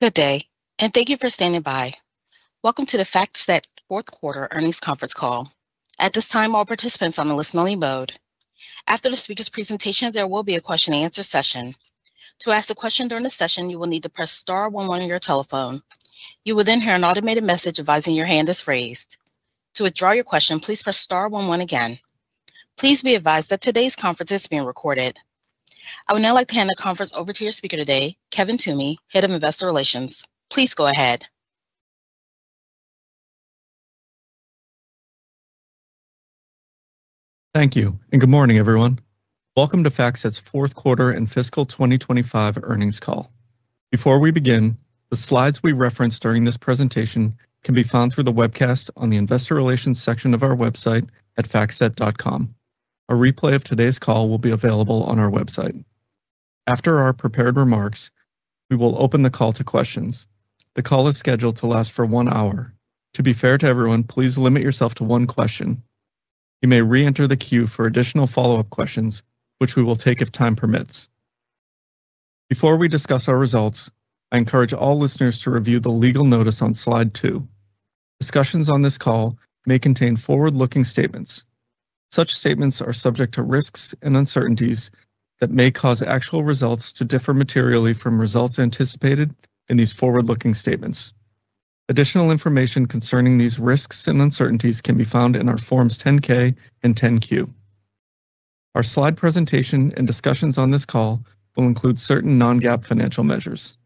Good day, and thank you for standing by. Welcome to the FactSet Fourth Quarter Earnings Conference Call. At this time, all participants are in a listen-only mode. After the speaker's presentation, there will be a question-and-answer session. To ask a question during the session, you will need to press star one one on your telephone. You will then hear an automated message advising your hand is raised. To withdraw your question, please press star one one again. Please be advised that today's conference is being recorded. I would now like to hand the conference over to your speaker today, Kevin Toomey, Head of Investor Relations. Please go ahead. Thank you, and good morning, everyone. Welcome to FactSet's Fourth Quarter and Fiscal 2025 Earnings Call. Before we begin, the slides we reference during this presentation can be found through the webcast on the Investor Relations section of our website at factset.com. A replay of today's call will be available on our website. After our prepared remarks, we will open the call to questions. The call is scheduled to last for one hour. To be fair to everyone, please limit yourself to one question. You may re-enter the queue for additional follow-up questions, which we will take if time permits. Before we discuss our results, I encourage all listeners to review the legal notice on Slide 2. Discussions on this call may contain forward-looking statements. Such statements are subject to risks and uncertainties that may cause actual results to differ materially from results anticipated in these forward-looking statements. Additional information concerning these risks and uncertainties can be found in our Forms 10-K and 10-Q. Our slide presentation and discussions on this call will include certain non-GAAP financial measures.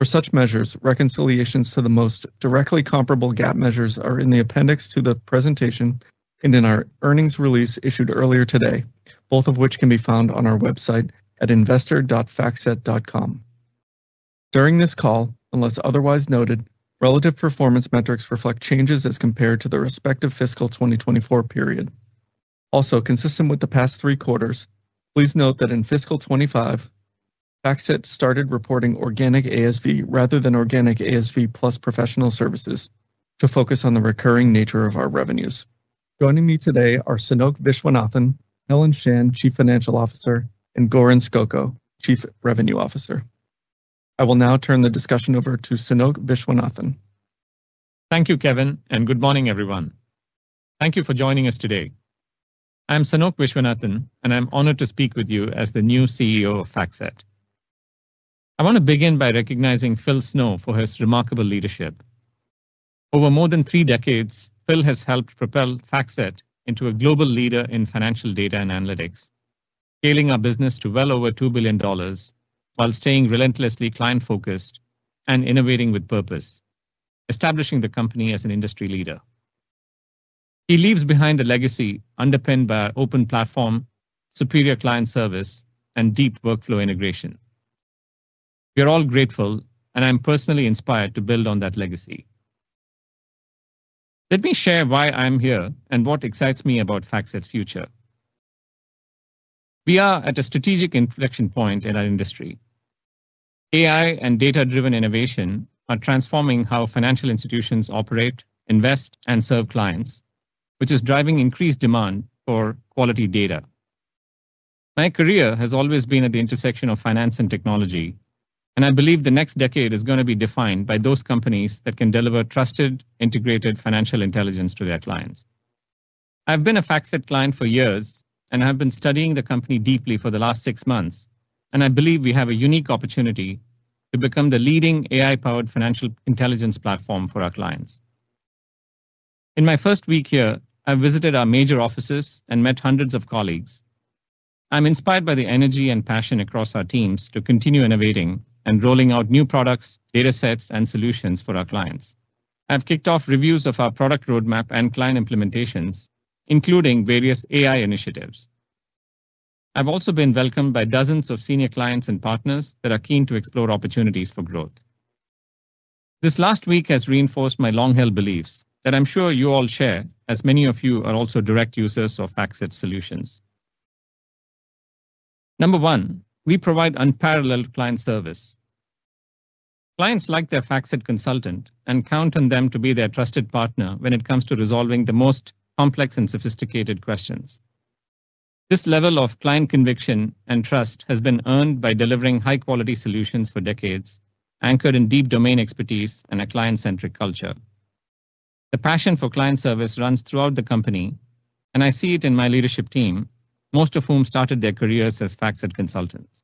For such measures, reconciliations to the most directly comparable GAAP measures are in the appendix to the presentation and in our earnings release issued earlier today, both of which can be found on our website at investor.factset.com. During this call, unless otherwise noted, relative performance metrics reflect changes as compared to the respective fiscal 2024 period. Also, consistent with the past three quarters, please note that in fiscal 2025, FactSet started reporting organic ASV rather than organic ASV plus professional services to focus on the recurring nature of our revenues. Joining me today are Sanoke Viswanathan, Helen Shan, Chief Financial Officer, and Goran Skoko, Chief Revenue Officer. I will now turn the discussion over to Sanoke Viswanathan. Thank you, Kevin, and good morning, everyone. Thank you for joining us today. I am Sanoke Viswanathan, and I am honored to speak with you as the new CEO of FactSet. I want to begin by recognizing Phil Snow for his remarkable leadership. Over more than three decades, Phil has helped propel FactSet into a global leader in financial data and analytics, scaling our business to well over $2 billion while staying relentlessly client-focused and innovating with purpose, establishing the company as an industry leader. He leaves behind a legacy underpinned by an open platform, superior client service, and deep workflow integration. We are all grateful, and I am personally inspired to build on that legacy. Let me share why I am here and what excites me about FactSet's future. We are at a strategic inflection point in our industry. AI and data-driven innovation are transforming how financial institutions operate, invest, and serve clients, which is driving increased demand for quality data. My career has always been at the intersection of finance and technology, and I believe the next decade is going to be defined by those companies that can deliver trusted, integrated financial intelligence to their clients. I have been a FactSet client for years, and I have been studying the company deeply for the last six months, and I believe we have a unique opportunity to become the leading AI-powered financial intelligence platform for our clients. In my first week here, I visited our major offices and met hundreds of colleagues. I am inspired by the energy and passion across our teams to continue innovating and rolling out new products, datasets, and solutions for our clients. I have kicked off reviews of our product roadmap and client implementations, including various AI initiatives. I have also been welcomed by dozens of senior clients and partners that are keen to explore opportunities for growth. This last week has reinforced my long-held beliefs that I am sure you all share, as many of you are also direct users of FactSet's solutions. Number one, we provide unparalleled client service. Clients like their FactSet consultant and count on them to be their trusted partner when it comes to resolving the most complex and sophisticated questions. This level of client conviction and trust has been earned by delivering high-quality solutions for decades, anchored in deep domain expertise and a client-centric culture. The passion for client service runs throughout the company, and I see it in my leadership team, most of whom started their careers as FactSet consultants.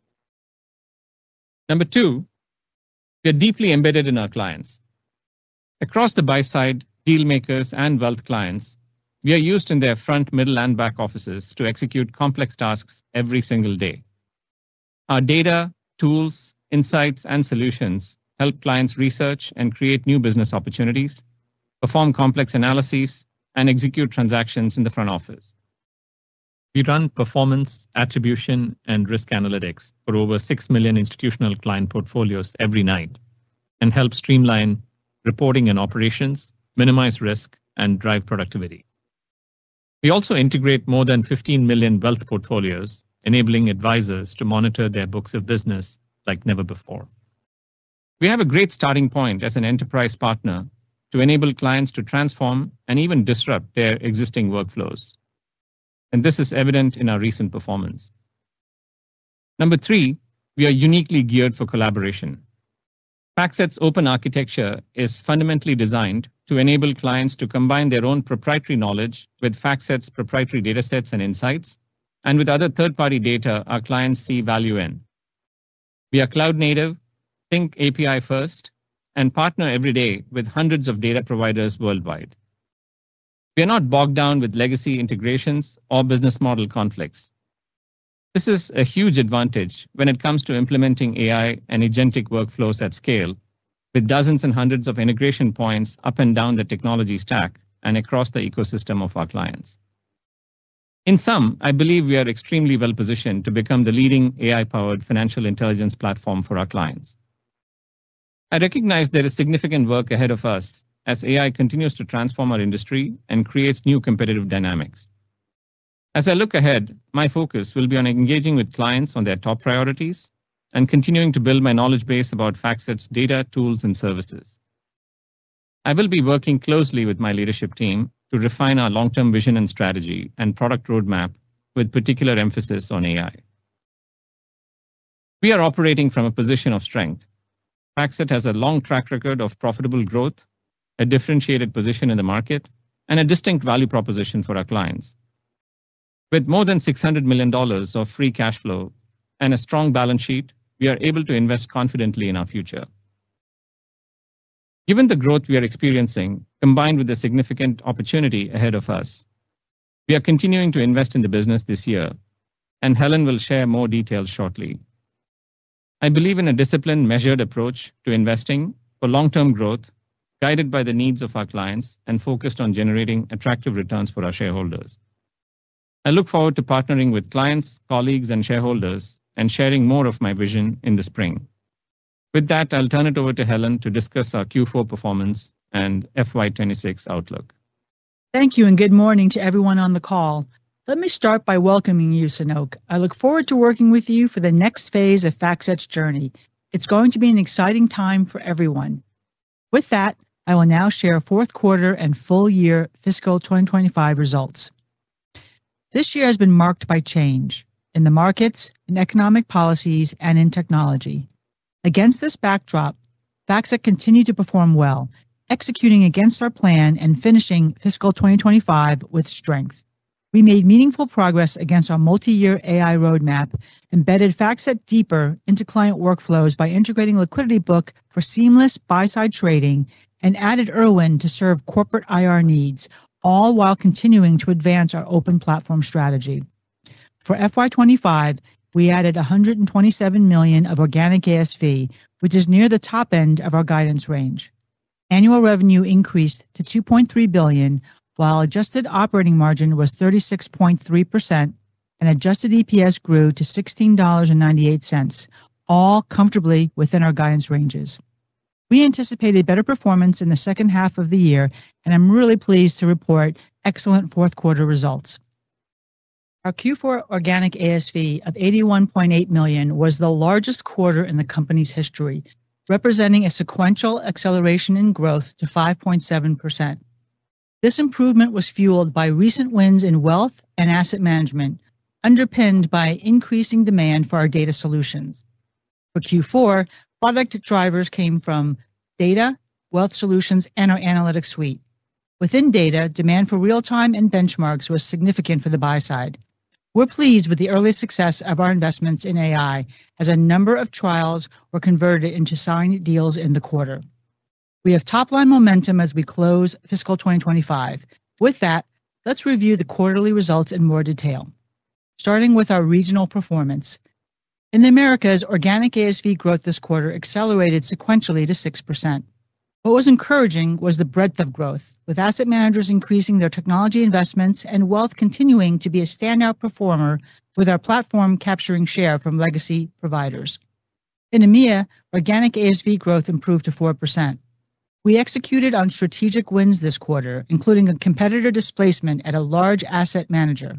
Number two, we are deeply embedded in our clients. Across the buy-side, dealmakers, and wealth clients, we are used in their front, middle, and back offices to execute complex tasks every single day. Our data, tools, insights, and solutions help clients research and create new business opportunities, perform complex analyses, and execute transactions in the front office. We run performance, attribution, and risk analytics for over 6 million institutional client portfolios every night and help streamline reporting and operations, minimize risk, and drive productivity. We also integrate more than 15 million wealth portfolios, enabling advisors to monitor their books of business like never before. We have a great starting point as an enterprise partner to enable clients to transform and even disrupt their existing workflows, and this is evident in our recent performance. Number three, we are uniquely geared for collaboration. FactSet's open architecture is fundamentally designed to enable clients to combine their own proprietary knowledge with FactSet's proprietary datasets and insights, and with other third-party data our clients see value in. We are cloud-native, think API-first, and partner every day with hundreds of data providers worldwide. We are not bogged down with legacy integrations or business model conflicts. This is a huge advantage when it comes to implementing AI and agentic workflows at scale, with dozens and hundreds of integration points up and down the technology stack and across the ecosystem of our clients. In sum, I believe we are extremely well-positioned to become the leading AI-powered financial intelligence platform for our clients. I recognize there is significant work ahead of us as AI continues to transform our industry and creates new competitive dynamics. As I look ahead, my focus will be on engaging with clients on their top priorities and continuing to build my knowledge base about FactSet's data, tools, and services. I will be working closely with my leadership team to refine our long-term vision and strategy and product roadmap, with particular emphasis on AI. We are operating from a position of strength. FactSet has a long track record of profitable growth, a differentiated position in the market, and a distinct value proposition for our clients. With more than $600 million of free cash flow and a strong balance sheet, we are able to invest confidently in our future. Given the growth we are experiencing, combined with the significant opportunity ahead of us, we are continuing to invest in the business this year, and Helen will share more details shortly. I believe in a disciplined, measured approach to investing for long-term growth, guided by the needs of our clients and focused on generating attractive returns for our shareholders. I look forward to partnering with clients, colleagues, and shareholders and sharing more of my vision in the spring. With that, I'll turn it over to Helen to discuss our Q4 performance and FY 2026 outlook. Thank you, and good morning to everyone on the call. Let me start by welcoming you, Sanoke. I look forward to working with you for the next phase of FactSet's journey. It's going to be an exciting time for everyone. With that, I will now share Fourth Quarter and Full-Year Fiscal 2025 Results. This year has been marked by change in the markets, in economic policies, and in technology. Against this backdrop, FactSet continued to perform well, executing against our plan and finishing fiscal 2025 with strength. We made meaningful progress against our multi-year AI roadmap, embedded FactSet deeper into client workflows by integrating LiquidityBook for seamless buy-side trading, and added IRWIN to serve corporate IR needs, all while continuing to advance our open platform strategy. For FY 2025, we added $127 million of organic ASV, which is near the top end of our guidance range. Annual revenue increased to $2.3 billion, while adjusted operating margin was 36.3%, and adjusted EPS grew to $16.98, all comfortably within our guidance ranges. We anticipated better performance in the second half of the year, and I'm really pleased to report excellent fourth quarter results. Our Q4 organic ASV of $81.8 million was the largest quarter in the company's history, representing a sequential acceleration in growth to 5.7%. This improvement was fueled by recent wins in wealth and asset management, underpinned by increasing demand for our data solutions. For Q4, product drivers came from data, wealth solutions, and our analytics suite. Within data, demand for real-time and benchmarks was significant for the buy-side. We're pleased with the early success of our investments in AI, as a number of trials were converted into selling deals in the quarter. We have top-line momentum as we close fiscal 2025. With that, let's review the quarterly results in more detail, starting with our regional performance. In the Americas, organic ASV growth this quarter accelerated sequentially to 6%. What was encouraging was the breadth of growth, with asset managers increasing their technology investments and wealth continuing to be a standout performer, with our platform capturing share from legacy providers. In EMEA, organic ASV growth improved to 4%. We executed on strategic wins this quarter, including a competitor displacement at a large asset manager.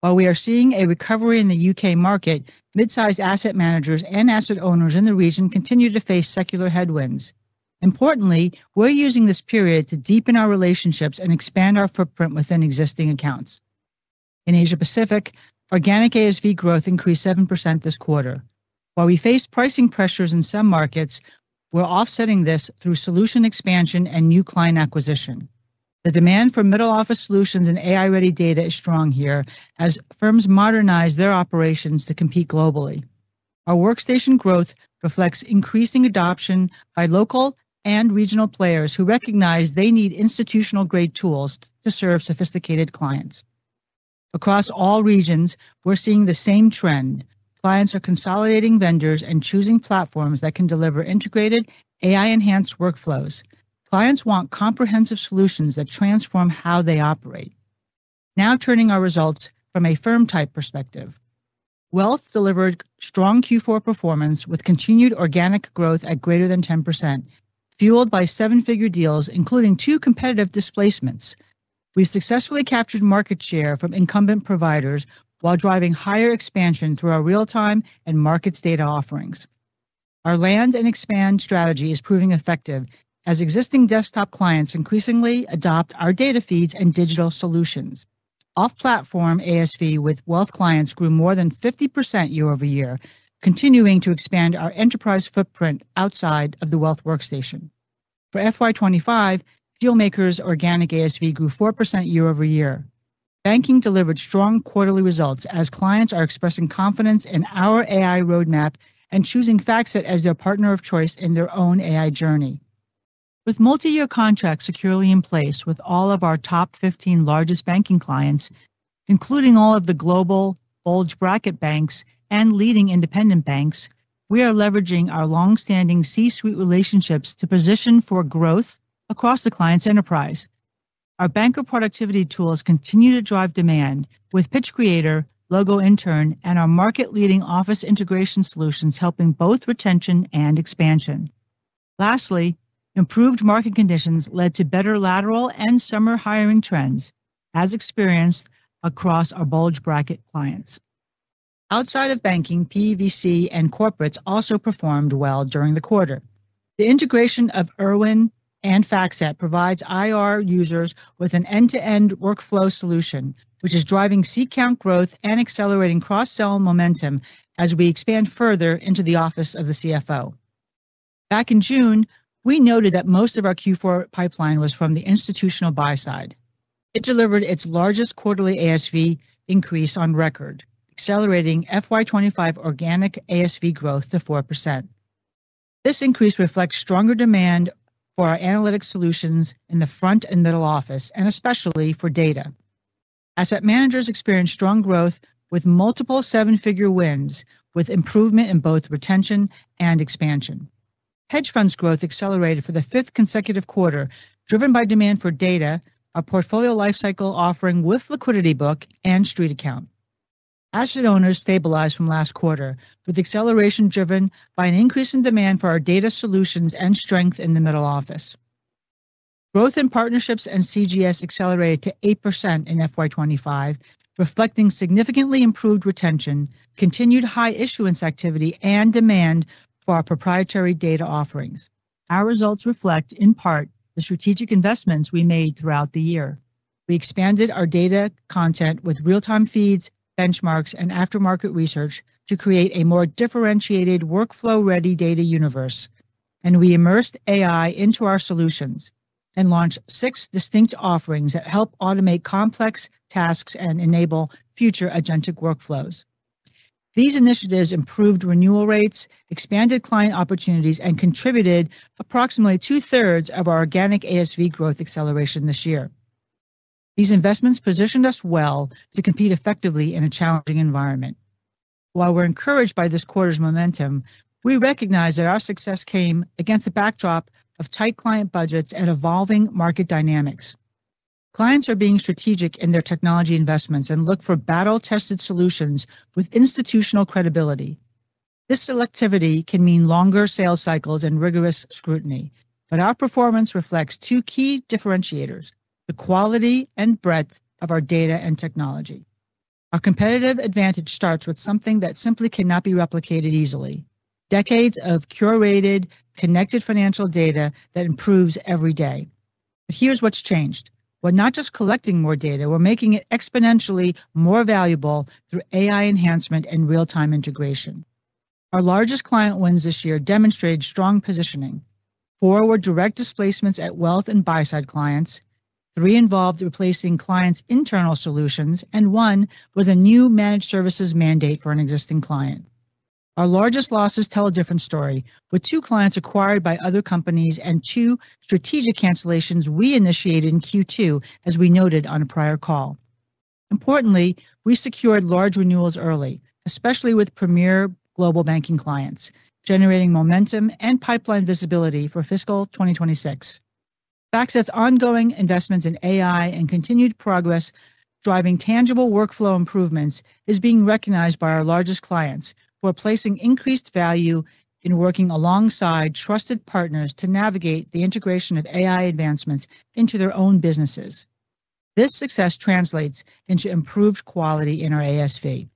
While we are seeing a recovery in the U.K. market, mid-sized asset managers and asset owners in the region continue to face secular headwinds. Importantly, we're using this period to deepen our relationships and expand our footprint within existing accounts. In Asia-Pacific, organic ASV growth increased 7% this quarter. While we face pricing pressures in some markets, we're offsetting this through solution expansion and new client acquisition. The demand for middle office solutions and AI-ready data is strong here, as firms modernize their operations to compete globally. Our workstation growth reflects increasing adoption by local and regional players who recognize they need institutional-grade tools to serve sophisticated clients. Across all regions, we're seeing the same trend. Clients are consolidating vendors and choosing platforms that can deliver integrated, AI-enhanced workflows. Clients want comprehensive solutions that transform how they operate. Now turning to our results from a firm-type perspective, wealth delivered strong Q4 performance with continued organic growth at greater than 10%, fueled by seven-figure deals, including two competitive displacements. We successfully captured market share from incumbent providers while driving higher expansion through our real-time and markets data offerings. Our land and expand strategy is proving effective, as existing desktop clients increasingly adopt our data feeds and digital solutions. Off-platform ASV with wealth clients grew more than 50% year-over-year, continuing to expand our enterprise footprint outside of the wealth workstation. For FY 2025, dealmakers' organic ASV grew 4% year-over-year. Banking delivered strong quarterly results, as clients are expressing confidence in our AI roadmap and choosing FactSet as their partner of choice in their own AI journey. With multi-year contracts securely in place with all of our top 15 largest banking clients, including all of the global bulge bracket banks and leading independent banks, we are leveraging our longstanding C-suite relationships to position for growth across the client's enterprise. Our banker productivity tools continue to drive demand, with Pitch Creator, LogoIntern, and our market-leading office integration solutions helping both retention and expansion. Lastly, improved market conditions led to better lateral and summer hiring trends, as experienced across our bulge bracket clients. Outside of banking, PVC and corporates also performed well during the quarter. The integration of IRWIN and FactSet provides IR users with an end-to-end workflow solution, which is driving C-count growth and accelerating cross-sell momentum as we expand further into the office of the CFO. Back in June, we noted that most of our Q4 pipeline was from the institutional buy-side. It delivered its largest quarterly ASV increase on record, accelerating FY 2025 organic ASV growth to 4%. This increase reflects stronger demand for our analytics solutions in the front and middle office, and especially for data. Asset managers experienced strong growth with multiple seven-figure wins, with improvement in both retention and expansion. Hedge funds' growth accelerated for the fifth consecutive quarter, driven by demand for data, a portfolio lifecycle offering with LiquidityBook and StreetAccount. Asset owners stabilized from last quarter, with acceleration driven by an increase in demand for our data solutions and strength in the middle office. Growth in partnerships and CGS accelerated to 8% in FY 2025, reflecting significantly improved retention, continued high issuance activity, and demand for our proprietary data offerings. Our results reflect, in part, the strategic investments we made throughout the year. We expanded our data content with real-time feeds, benchmarks, and aftermarket research to create a more differentiated workflow-ready data universe, and we immersed AI into our solutions and launched six distinct offerings that help automate complex tasks and enable future agentic workflows. These initiatives improved renewal rates, expanded client opportunities, and contributed approximately 2/3 of our organic ASV growth acceleration this year. These investments positioned us well to compete effectively in a challenging environment. While we're encouraged by this quarter's momentum, we recognize that our success came against the backdrop of tight client budgets and evolving market dynamics. Clients are being strategic in their technology investments and look for battle-tested solutions with institutional credibility. This selectivity can mean longer sales cycles and rigorous scrutiny, but our performance reflects two key differentiators: the quality and breadth of our data and technology. Our competitive advantage starts with something that simply cannot be replicated easily: decades of curated, connected financial data that improves every day. Here's what's changed. We're not just collecting more data; we're making it exponentially more valuable through AI enhancement and real-time integration. Our largest client wins this year demonstrated strong positioning. Four were direct displacements at wealth and buy-side clients. Three involved replacing clients' internal solutions, and one was a new managed services mandate for an existing client. Our largest losses tell a different story, with two clients acquired by other companies and two strategic cancellations we initiated in Q2, as we noted on a prior call. Importantly, we secured large renewals early, especially with premier global banking clients, generating momentum and pipeline visibility for fiscal 2026. FactSet's ongoing investments in AI and continued progress driving tangible workflow improvements is being recognized by our largest clients, who are placing increased value in working alongside trusted partners to navigate the integration of AI advancements into their own businesses. This success translates into improved quality in our ASV.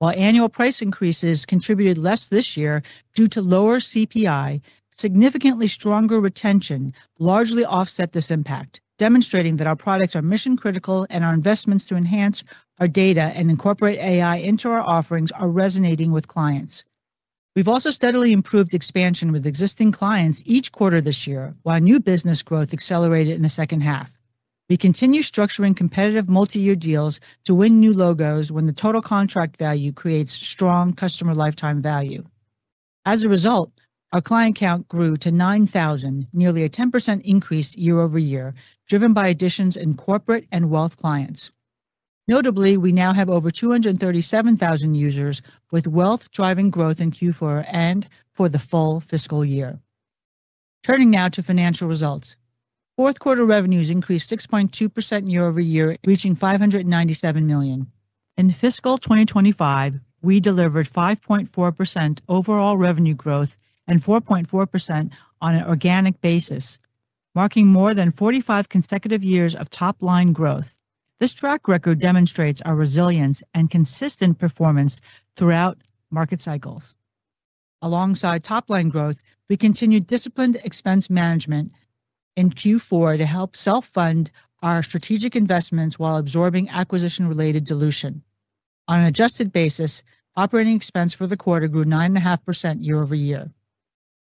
While annual price increases contributed less this year due to lower CPI, significantly stronger retention largely offset this impact, demonstrating that our products are mission-critical and our investments to enhance our data and incorporate AI into our offerings are resonating with clients. We've also steadily improved expansion with existing clients each quarter this year, while new business growth accelerated in the second half. We continue structuring competitive multi-year deals to win new logos when the total contract value creates strong customer lifetime value. As a result, our client count grew to 9,000, nearly a 10% increase year-over-year, driven by additions in corporate and wealth clients. Notably, we now have over 237,000 users with wealth driving growth in Q4 and for the full fiscal year. Turning now to financial results. Fourth quarter revenues increased 6.2% year-over-year, reaching $597 million. In fiscal 2025, we delivered 5.4% overall revenue growth and 4.4% on an organic basis, marking more than 45 consecutive years of top-line growth. This track record demonstrates our resilience and consistent performance throughout market cycles. Alongside top-line growth, we continued disciplined expense management in Q4 to help self-fund our strategic investments while absorbing acquisition-related dilution. On an adjusted basis, operating expense for the quarter grew 9.5% year-over-year.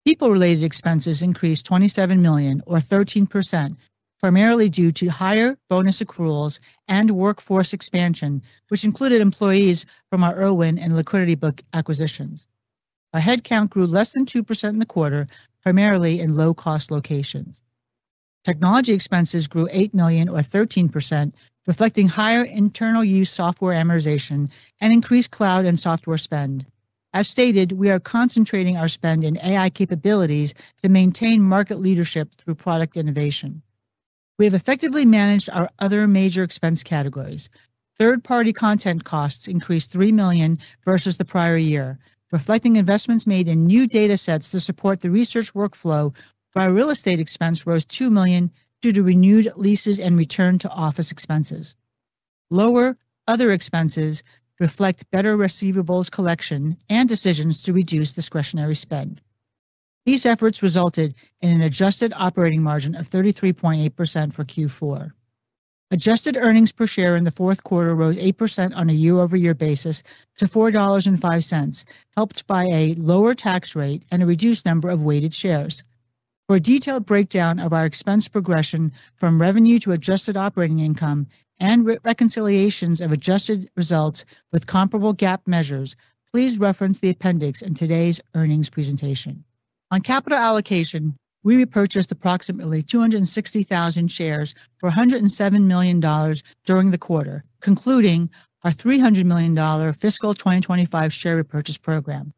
People-related expenses increased $27 million, or 13%, primarily due to higher bonus accruals and workforce expansion, which included employees from our IRWIN and LiquidityBook acquisitions. Our headcount grew less than 2% in the quarter, primarily in low-cost locations. Technology expenses grew $8 million, or 13%, reflecting higher internal use software amortization and increased cloud and software spend. As stated, we are concentrating our spend in AI capabilities to maintain market leadership through product innovation. We have effectively managed our other major expense categories. Third-party content costs increased $3 million versus the prior year, reflecting investments made in new datasets to support the research workflow, while real estate expense rose $2 million due to renewed leases and return-to-office expenses. Lower other expenses reflect better receivables collection and decisions to reduce discretionary spend. These efforts resulted in an adjusted operating margin of 33.8% for Q4. Adjusted earnings per share in the fourth quarter rose 8% on a year-over-year basis to $4.05, helped by a lower tax rate and a reduced number of weighted shares. For a detailed breakdown of our expense progression from revenue to adjusted operating income and reconciliations of adjusted results with comparable GAAP measures, please reference the appendix in today's earnings presentation. On capital allocation, we repurchased approximately 260,000 shares for $107 million during the quarter, concluding our $300 million fiscal 2025 share repurchase program.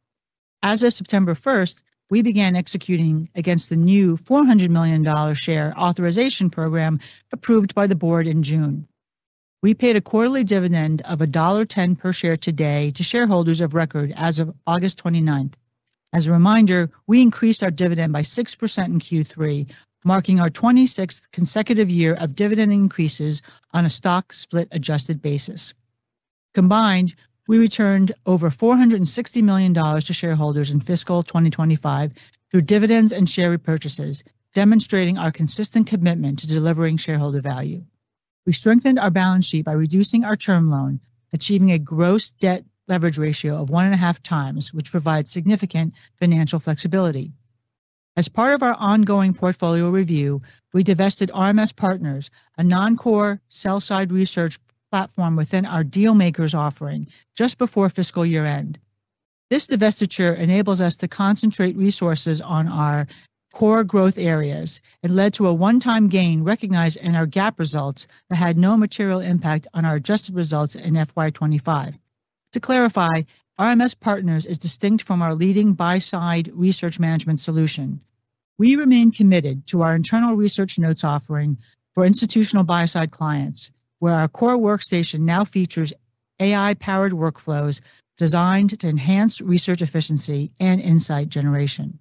As of September 1st, we began executing against the new $400 million share authorization program approved by the board in June. We paid a quarterly dividend of $1.10 per share today to shareholders of record as of August 29. As a reminder, we increased our dividend by 6% in Q3, marking our 26th consecutive year of dividend increases on a stock split adjusted basis. Combined, we returned over $460 million to shareholders in fiscal 2025 through dividends and share repurchases, demonstrating our consistent commitment to delivering shareholder value. We strengthened our balance sheet by reducing our term loan, achieving a gross debt leverage ratio of 1.5x, which provides significant financial flexibility. As part of our ongoing portfolio review, we divested RMS Partners, a non-core sell-side research platform within our dealmakers' offering, just before fiscal year-end. This divestiture enables us to concentrate resources on our core growth areas. It led to a one-time gain recognized in our GAAP results that had no material impact on our adjusted results in FY 2025. To clarify, RMS Partners is distinct from our leading buy-side research management solution. We remain committed to our internal research notes offering for institutional buy-side clients, where our core workstation now features AI-powered workflows designed to enhance research efficiency and insight generation.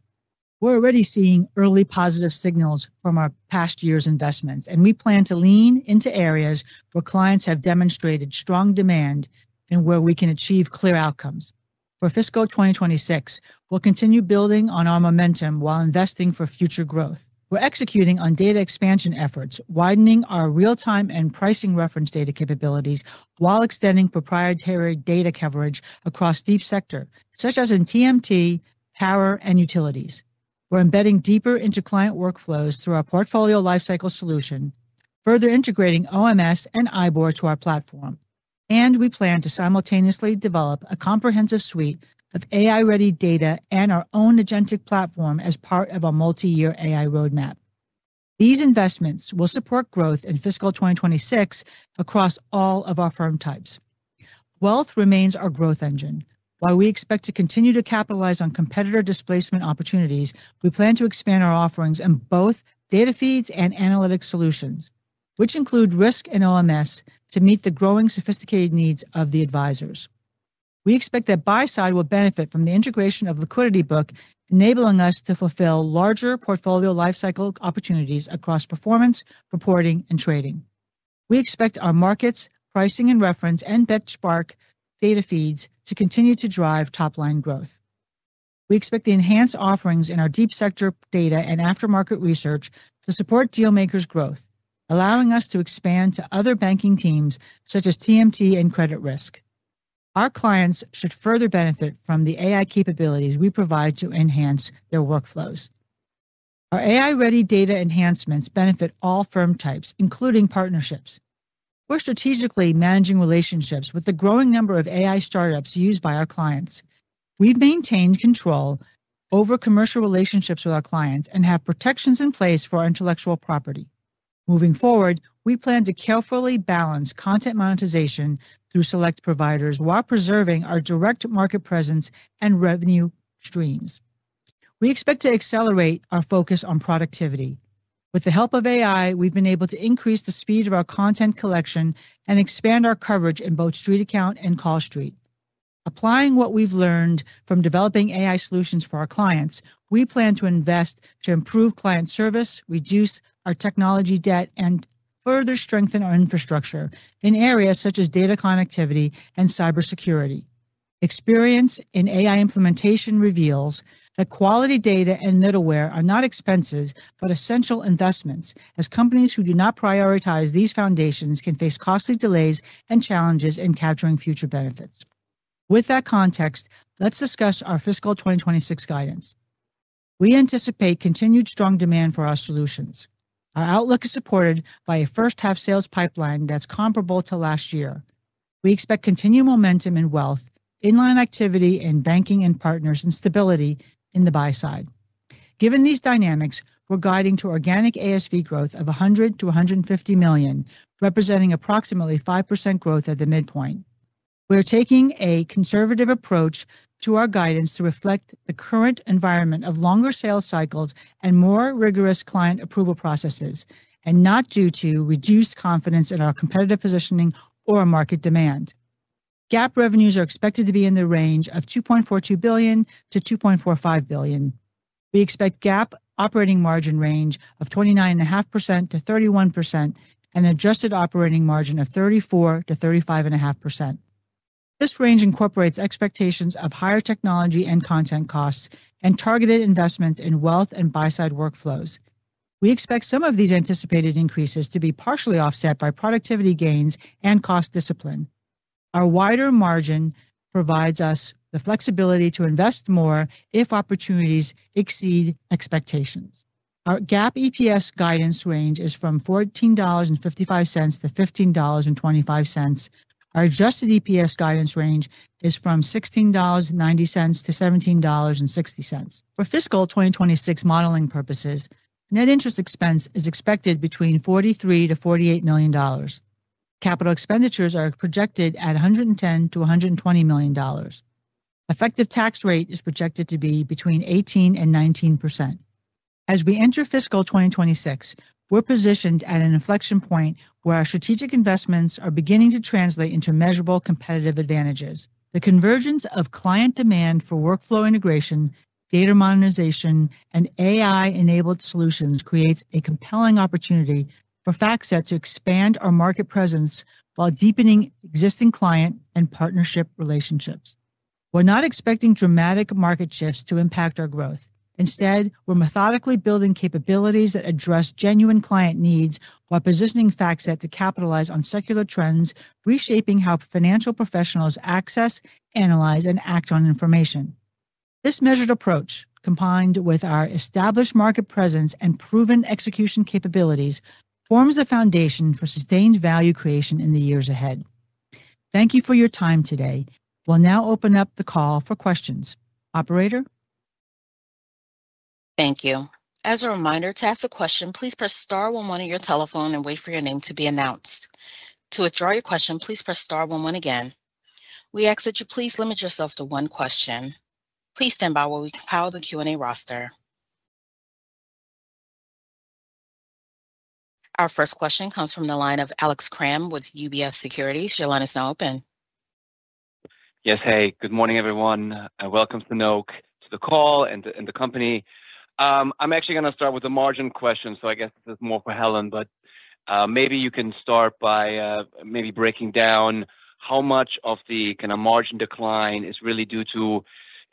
We're already seeing early positive signals from our past year's investments, and we plan to lean into areas where clients have demonstrated strong demand and where we can achieve clear outcomes. For fiscal 2026, we'll continue building on our momentum while investing for future growth. We're executing on data expansion efforts, widening our real-time and pricing reference data capabilities while extending proprietary data coverage across deep sector, such as in TMT, power, and utilities. We're embedding deeper into client workflows through our portfolio lifecycle solutions, further integrating OMS and IBOR to our platform, and we plan to simultaneously develop a comprehensive suite of AI-ready data and our own agentic platform as part of a multi-year AI roadmap. These investments will support growth in fiscal 2026 across all of our firm types. Wealth remains our growth engine. While we expect to continue to capitalize on competitor displacement opportunities, we plan to expand our offerings in both data feeds and analytics solutions, which include risk and OMS, to meet the growing sophisticated needs of the advisors. We expect that buy-side will benefit from the integration of LiquidityBook, enabling us to fulfill larger portfolio lifecycle opportunities across performance, reporting, and trading. We expect our markets, pricing and reference, and debt spark data feeds to continue to drive top-line growth. We expect the enhanced offerings in our deep sector data and aftermarket research to support dealmakers' growth, allowing us to expand to other banking teams, such as TMT and Credit Risk. Our clients should further benefit from the AI capabilities we provide to enhance their workflows. Our AI-ready data enhancements benefit all firm types, including partnerships. We're strategically managing relationships with the growing number of AI startups used by our clients. We've maintained control over commercial relationships with our clients and have protections in place for our intellectual property. Moving forward, we plan to carefully balance content monetization through select providers while preserving our direct market presence and revenue streams. We expect to accelerate our focus on productivity. With the help of AI, we've been able to increase the speed of our content collection and expand our coverage in both StreetAccount and CallStreet. Applying what we've learned from developing AI solutions for our clients, we plan to invest to improve client service, reduce our technology debt, and further strengthen our infrastructure in areas such as data connectivity and cybersecurity. Experience in AI implementation reveals that quality data and middleware are not expenses but essential investments, as companies who do not prioritize these foundations can face costly delays and challenges in capturing future benefits. With that context, let's discuss our fiscal 2026 guidance. We anticipate continued strong demand for our solutions. Our outlook is supported by a first-half sales pipeline that's comparable to last year. We expect continued momentum in wealth, inline activity in banking and partners, and stability in the buy-side. Given these dynamics, we're guiding to organic ASV growth of $100 million-$150 million, representing approximately 5% growth at the midpoint. We're taking a conservative approach to our guidance to reflect the current environment of longer sales cycles and more rigorous client approval processes, and not due to reduced confidence in our competitive positioning or market demand. GAAP revenues are expected to be in the range of $2.42 billion-$2.45 billion. We expect GAAP operating margin range of 29.5%-31% and an adjusted operating margin of 34%-35.5%. This range incorporates expectations of higher technology and content costs and targeted investments in wealth and buy-side workflows. We expect some of these anticipated increases to be partially offset by productivity gains and cost discipline. Our wider margin provides us the flexibility to invest more if opportunities exceed expectations. Our GAAP EPS guidance range is from $14.55-$15.25. Our adjusted EPS guidance range is from $16.90-$17.60. For fiscal 2026 modeling purposes, net interest expense is expected between $43 million-$48 million. Capital expenditures are projected at $110 million-$120 million. Effective tax rate is projected to be between 18% and 19%. As we enter fiscal 2026, we're positioned at an inflection point where our strategic investments are beginning to translate into measurable competitive advantages. The convergence of client demand for workflow integration, data monetization, and AI-enabled solutions creates a compelling opportunity for FactSet to expand our market presence while deepening existing client and partnership relationships. We're not expecting dramatic market shifts to impact our growth. Instead, we're methodically building capabilities that address genuine client needs while positioning FactSet to capitalize on secular trends, reshaping how financial professionals access, analyze, and act on information. This measured approach, combined with our established market presence and proven execution capabilities, forms the foundation for sustained value creation in the years ahead. Thank you for your time today. We'll now open up the call for questions. Operator? Thank you. As a reminder, to ask a question, please press star one one on your telephone and wait for your name to be announced. To withdraw your question, please press star one one again. We ask that you please limit yourself to one question. Please stand by while we file the Q&A roster. Our first question comes from the line of Alex Kramm with UBS Securities. Your line is now open. Yes. Hey, good morning, everyone. Welcome, Sanoke, to the call and the company. I'm actually going to start with a margin question. I guess this is more for Helen, but maybe you can start by breaking down how much of the kind of margin decline is really due to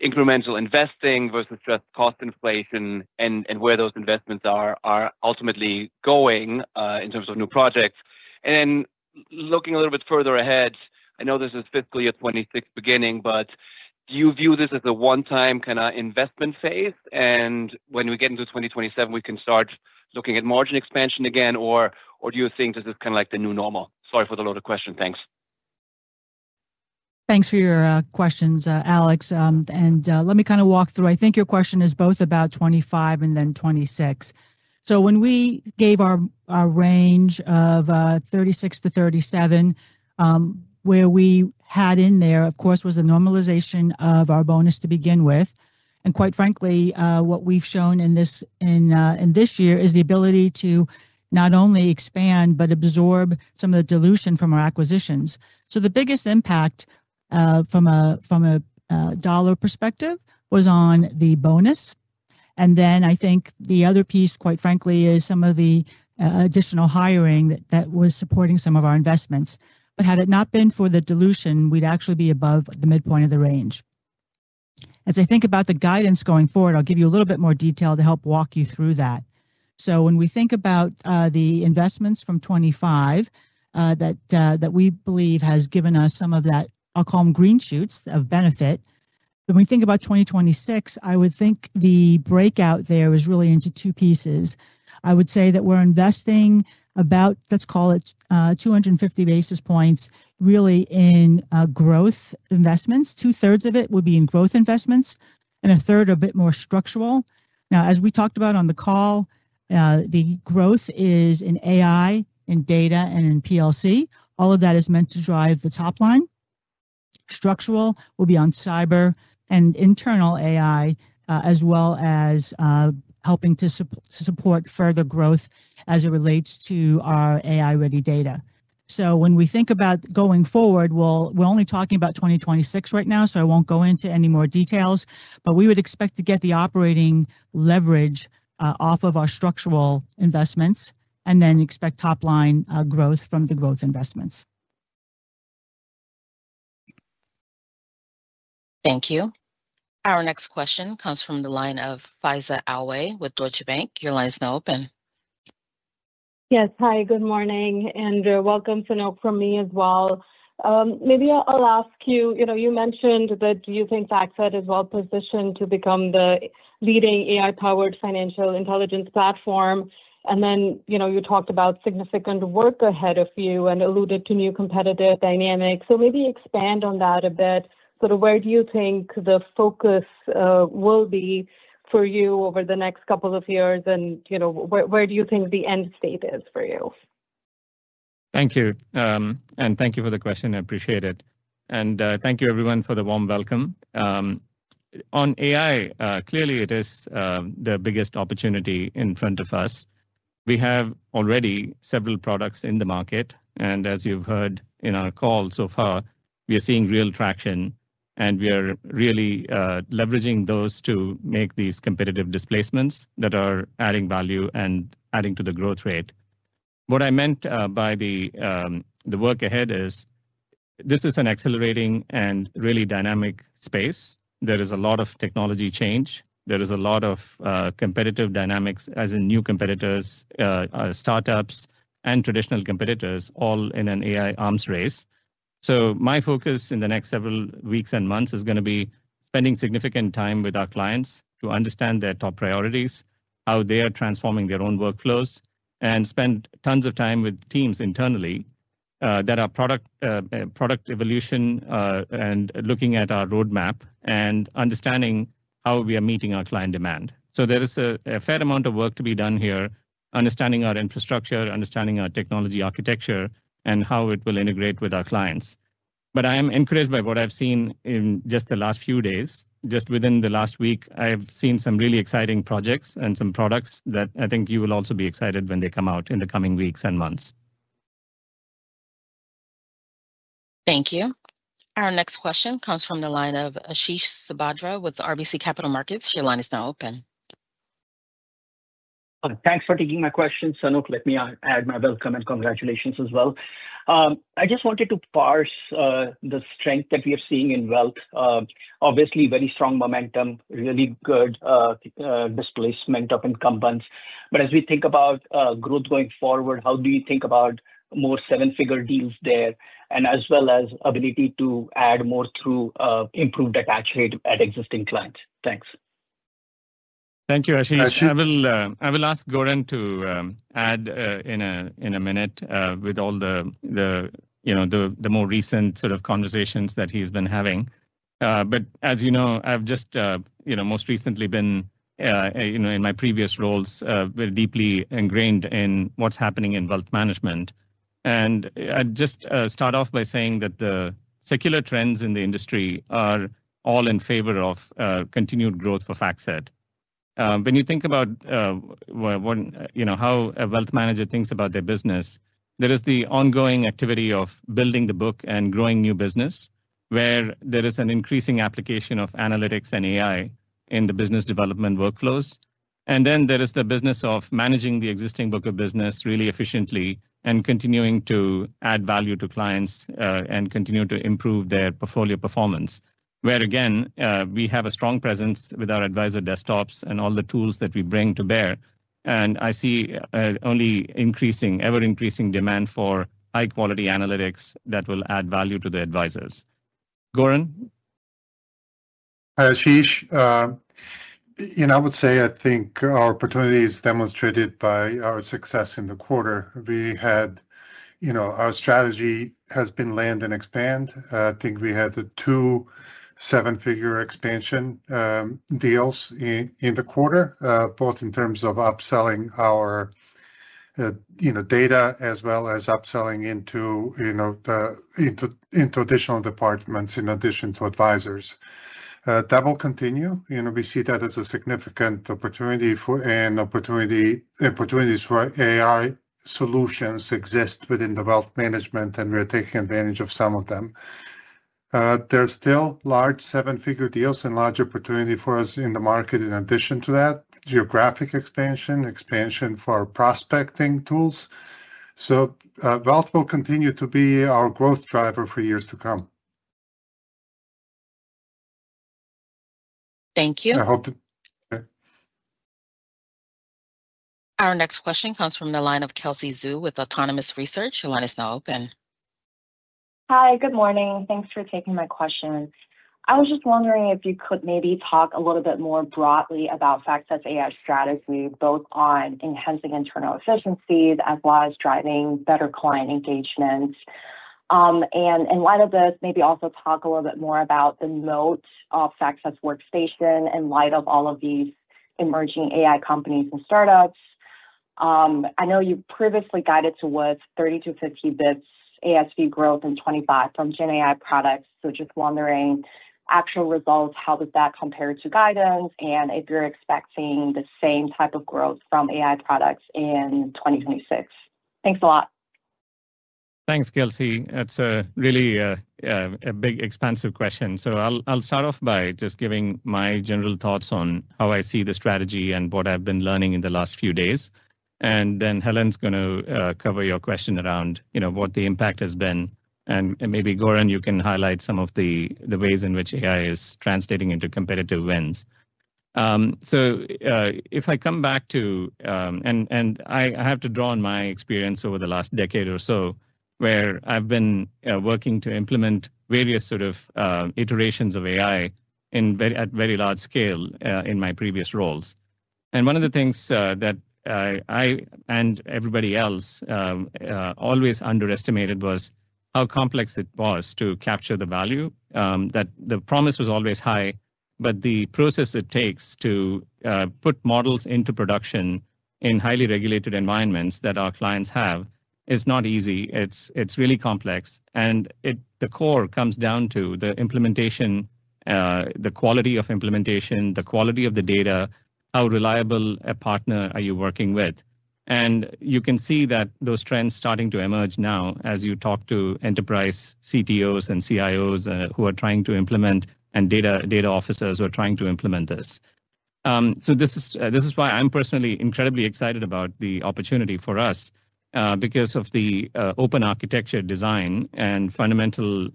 incremental investing versus just cost inflation and where those investments are ultimately going in terms of new projects. Looking a little bit further ahead, I know this is fiscal year 2026 beginning, but do you view this as a one-time kind of investment phase? When we get into 2027, can we start looking at margin expansion again, or do you think this is kind of like the new normal? Sorry for the loaded question. Thanks. Thanks for your questions, Alex. Let me kind of walk through. I think your question is both about 2025 and then 2026. When we gave our range of 36%-37%, what we had in there, of course, was a normalization of our bonus to begin with. Quite frankly, what we've shown in this year is the ability to not only expand but absorb some of the dilution from our acquisitions. The biggest impact from a dollar perspective was on the bonus. I think the other piece, quite frankly, is some of the additional hiring that was supporting some of our investments. Had it not been for the dilution, we'd actually be above the midpoint of the range. As I think about the guidance going forward, I'll give you a little bit more detail to help walk you through that. When we think about the investments from 2025 that we believe has given us some of that, I'll call them green shoots of benefit. When we think about 2026, I would think the breakout there is really into two pieces. I would say that we're investing about, let's call it 250 basis points, really in growth investments. Two-thirds of it would be in growth investments, and a third are a bit more structural. As we talked about on the call, the growth is in AI and data and in PLC. All of that is meant to drive the top line. Structural will be on cyber and internal AI, as well as helping to support further growth as it relates to our AI-ready data. When we think about going forward, we're only talking about 2026 right now, so I won't go into any more details. We would expect to get the operating leverage off of our structural investments and then expect top-line growth from the growth investments. Thank you. Our next question comes from the line of Faiza Alwy with Deutsche Bank. Your line is now open. Yes. Hi, good morning, and welcome, Sanoke, from me as well. Maybe I'll ask you, you know, you mentioned that you think FactSet is well-positioned to become the leading AI-powered financial intelligence platform. You talked about significant work ahead of you and alluded to new competitive dynamics. Maybe expand on that a bit. Where do you think the focus will be for you over the next couple of years, and you know where do you think the end state is for you? Thank you, and thank you for the question. I appreciate it. Thank you, everyone, for the warm welcome. On AI, clearly, it is the biggest opportunity in front of us. We have already several products in the market, and as you've heard in our call so far, we are seeing real traction, and we are really leveraging those to make these competitive displacements that are adding value and adding to the growth rate. What I meant by the work ahead is this is an accelerating and really dynamic space. There is a lot of technology change. There is a lot of competitive dynamics, as in new competitors, startups, and traditional competitors, all in an AI arms race. My focus in the next several weeks and months is going to be spending significant time with our clients to understand their top priorities, how they are transforming their own workflows, and spend tons of time with teams internally that are product evolution and looking at our roadmap and understanding how we are meeting our client demand. There is a fair amount of work to be done here, understanding our infrastructure, understanding our technology architecture, and how it will integrate with our clients. I am encouraged by what I've seen in just the last few days. Just within the last week, I have seen some really exciting projects and some products that I think you will also be excited when they come out in the coming weeks and months. Thank you. Our next question comes from the line of Ashish Sabadra with RBC Capital Markets. Your line is now open. Thanks for taking my question, Sanoke. Let me add my welcome and congratulations as well. I just wanted to parse the strength that we are seeing in wealth. Obviously, very strong momentum, really good displacement of incumbents. As we think about growth going forward, how do you think about more seven-figure deals there, as well as the ability to add more through improved attach rate at existing clients? Thanks. Thank you, Ashish. I will ask Goran to add in a minute with all the more recent sort of conversations that he's been having. As you know, I've just most recently been, in my previous roles, very deeply ingrained in what's happening in wealth management. I'd just start off by saying that the secular trends in the industry are all in favor of continued growth for FactSet. When you think about how a wealth manager thinks about their business, there is the ongoing activity of building the book and growing new business, where there is an increasing application of analytics and AI in the business development workflows. There is the business of managing the existing book of business really efficiently and continuing to add value to clients and continue to improve their portfolio performance, where again we have a strong presence with our advisor desktops and all the tools that we bring to bear. I see only increasing, ever-increasing demand for high-quality analytics that will add value to the advisors. Goran. Hi, Ashish. I would say I think our opportunity is demonstrated by our success in the quarter. Our strategy has been land and expand. I think we had the two seven-figure expansion deals in the quarter, both in terms of upselling our data as well as upselling into additional departments in addition to advisors. That will continue. We see that as a significant opportunity, and opportunities for AI solutions exist within the wealth management, and we are taking advantage of some of them. There are still large seven-figure deals and large opportunity for us in the market in addition to that, geographic expansion, expansion for prospecting tools. Wealth will continue to be our growth driver for years to come. Thank you. I hope. Our next question comes from the line of Kelsey Zhu with Autonomous Research. Your line is now open. Hi, good morning. Thanks for taking my questions. I was just wondering if you could maybe talk a little bit more broadly about FactSet's AI strategy, both on enhancing internal efficiencies as well as driving better client engagement. In light of this, maybe also talk a little bit more about the moat of FactSet's Workstation in light of all of these emerging AI companies and startups. I know you previously guided towards 30-50 bps ASV growth in 2025 from GenAI products. Just wondering, actual results, how does that compare to guidance, and if you're expecting the same type of growth from AI products in 2026? Thanks a lot. Thanks, Kelsey. That's really a big, expansive question. I'll start off by just giving my general thoughts on how I see the strategy and what I've been learning in the last few days. Helen's going to cover your question around what the impact has been. Maybe, Goran, you can highlight some of the ways in which AI is translating into competitive wins. If I come back to, and I have to draw on my experience over the last decade or so, where I've been working to implement various iterations of AI at very large scale in my previous roles, one of the things that I and everybody else always underestimated was how complex it was to capture the value. The promise was always high, but the process it takes to put models into production in highly regulated environments that our clients have is not easy. It's really complex. The core comes down to the implementation, the quality of implementation, the quality of the data, how reliable a partner are you working with. You can see those trends starting to emerge now as you talk to enterprise CTOs and CIOs who are trying to implement, and data officers who are trying to implement this. This is why I'm personally incredibly excited about the opportunity for us because of the open architecture design and fundamental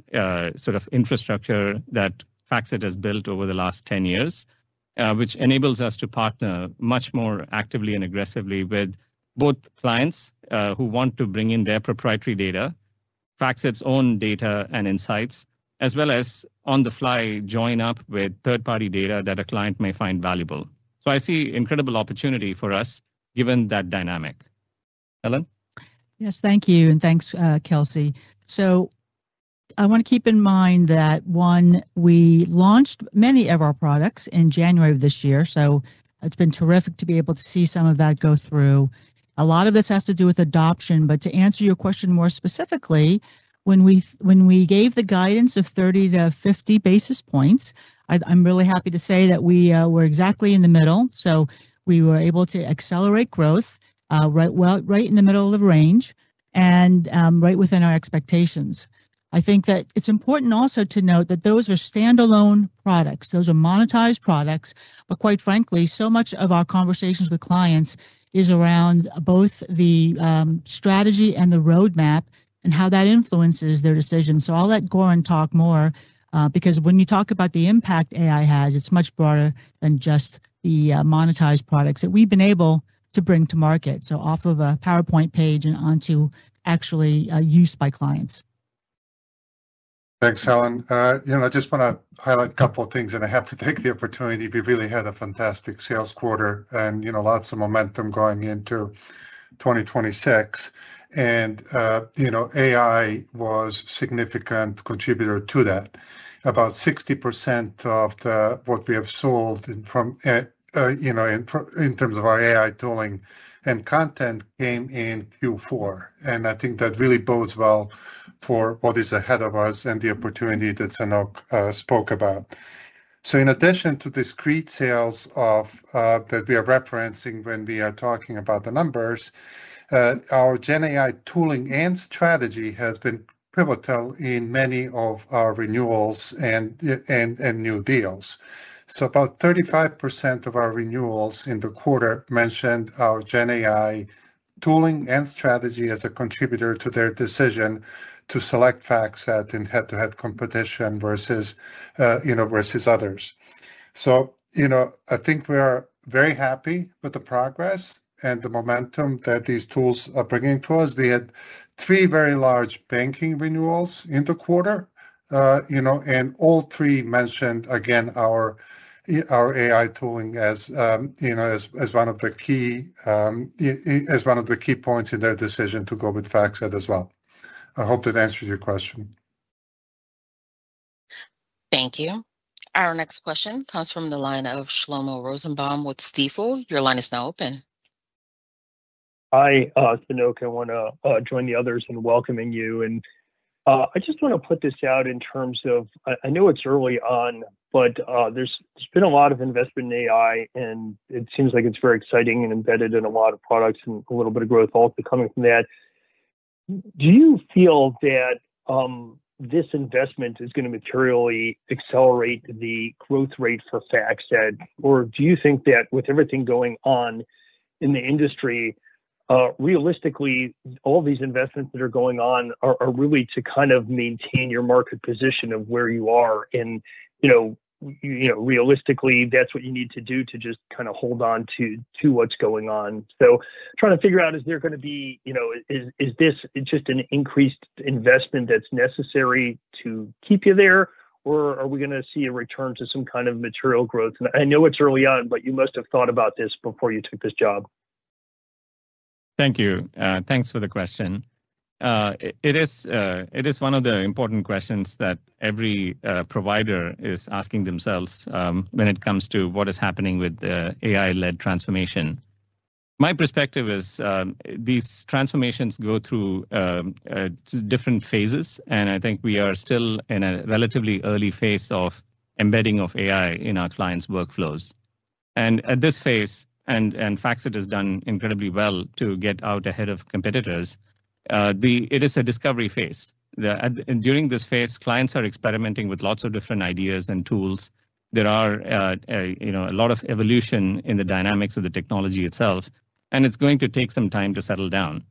sort of infrastructure that FactSet has built over the last 10 years, which enables us to partner much more actively and aggressively with both clients who want to bring in their proprietary data, FactSet's own data and insights, as well as on-the-fly join up with third-party data that a client may find valuable. I see incredible opportunity for us given that dynamic. Helen? Yes, thank you, and thanks, Kelsey. I want to keep in mind that, one, we launched many of our products in January of this year. It's been terrific to be able to see some of that go through. A lot of this has to do with adoption. To answer your question more specifically, when we gave the guidance of 30-50 basis points, I'm really happy to say that we were exactly in the middle. We were able to accelerate growth right in the middle of the range and right within our expectations. I think that it's important also to note that those are standalone products. Those are monetized products. Quite frankly, so much of our conversations with clients is around both the strategy and the roadmap and how that influences their decision. I'll let Goran talk more because when you talk about the impact AI has, it's much broader than just the monetized products that we've been able to bring to market, off of a PowerPoint page and onto actually use by clients. Thanks, Helen. I just want to highlight a couple of things, and I have to take the opportunity. We really had a fantastic sales quarter and lots of momentum going into 2026. AI was a significant contributor to that. About 60% of what we have solved in terms of our AI tooling and content came in Q4. I think that really bodes well for what is ahead of us and the opportunity that Sanoke spoke about. In addition to the discrete sales that we are referencing when we are talking about the numbers, our GenAI tooling and strategy has been pivotal in many of our renewals and new deals. About 35% of our renewals in the quarter mentioned our GenAI tooling and strategy as a contributor to their decision to select FactSet in head-to-head competition versus others. I think we are very happy with the progress and the momentum that these tools are bringing to us. We had three very large banking renewals in the quarter, and all three mentioned, again, our AI tooling as one of the key points in their decision to go with FactSet as well. I hope that answers your question. Thank you. Our next question comes from the line of Shlomo Rosenbaum with Stifel. Your line is now open. Hi, Sanoke. I want to join the others in welcoming you. I just want to put this out in terms of, I know it's early on, but there's been a lot of investment in AI, and it seems like it's very exciting and embedded in a lot of products and a little bit of growth also coming from that. Do you feel that this investment is going to materially accelerate the growth rate for FactSet, or do you think that with everything going on in the industry, realistically, all these investments that are going on are really to kind of maintain your market position of where you are? Realistically, that's what you need to do to just kind of hold on to what's going on. Trying to figure out, is there going to be, you know, is this just an increased investment that's necessary to keep you there, or are we going to see a return to some kind of material growth? I know it's early on, but you must have thought about this before you took this job. Thank you. Thanks for the question. It is one of the important questions that every provider is asking themselves when it comes to what is happening with the AI-led transformation. My perspective is these transformations go through different phases, and I think we are still in a relatively early phase of embedding of AI in our clients' workflows. At this phase, and FactSet has done incredibly well to get out ahead of competitors, it is a discovery phase. During this phase, clients are experimenting with lots of different ideas and tools. There are a lot of evolution in the dynamics of the technology itself, and it's going to take some time to settle down.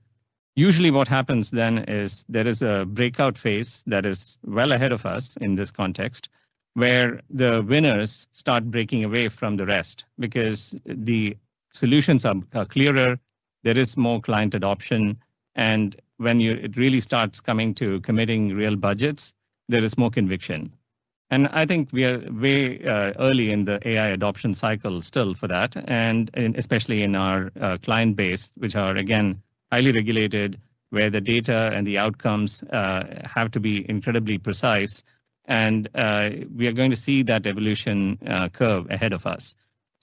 Usually, what happens then is there is a breakout phase that is well ahead of us in this context, where the winners start breaking away from the rest because the solutions are clearer, there is more client adoption, and when it really starts coming to committing real budgets, there is more conviction. I think we are way early in the AI adoption cycle still for that, especially in our client base, which are, again, highly regulated, where the data and the outcomes have to be incredibly precise. We are going to see that evolution curve ahead of us.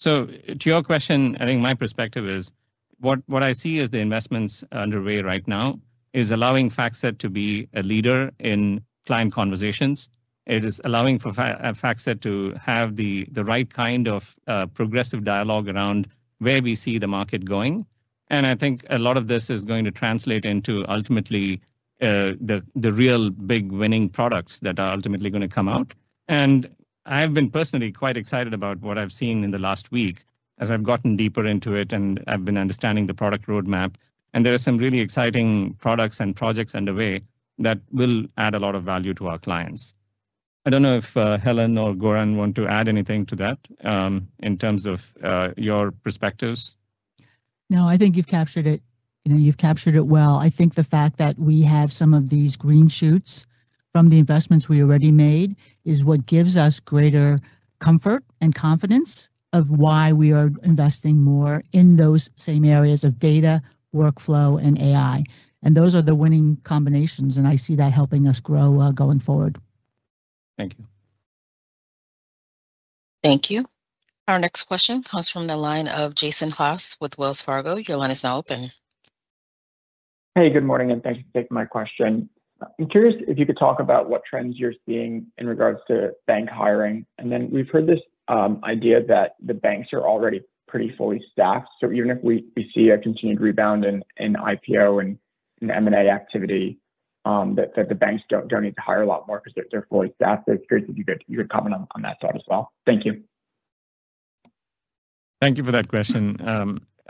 To your question, I think my perspective is what I see as the investments underway right now is allowing FactSet to be a leader in client conversations. It is allowing for FactSet to have the right kind of progressive dialogue around where we see the market going. I think a lot of this is going to translate into ultimately the real big winning products that are ultimately going to come out. I've been personally quite excited about what I've seen in the last week as I've gotten deeper into it and I've been understanding the product roadmap. There are some really exciting products and projects underway that will add a lot of value to our clients. I don't know if Helen or Goran want to add anything to that in terms of your perspectives. No, I think you've captured it. You've captured it well. I think the fact that we have some of these green shoots from the investments we already made is what gives us greater comfort and confidence of why we are investing more in those same areas of data, workflow, and AI. Those are the winning combinations, and I see that helping us grow going forward. Thank you. Thank you. Our next question comes from the line of Jason Haas with Wells Fargo. Your line is now open. Hey, good morning, and thank you for taking my question. I'm curious if you could talk about what trends you're seeing in regards to bank hiring. We've heard this idea that the banks are already pretty fully staffed. Even if we see a continued rebound in IPO and M&A activity, the banks don't need to hire a lot more because they're fully staffed. I'm curious if you could comment on that side as well. Thank you. Thank you for that question.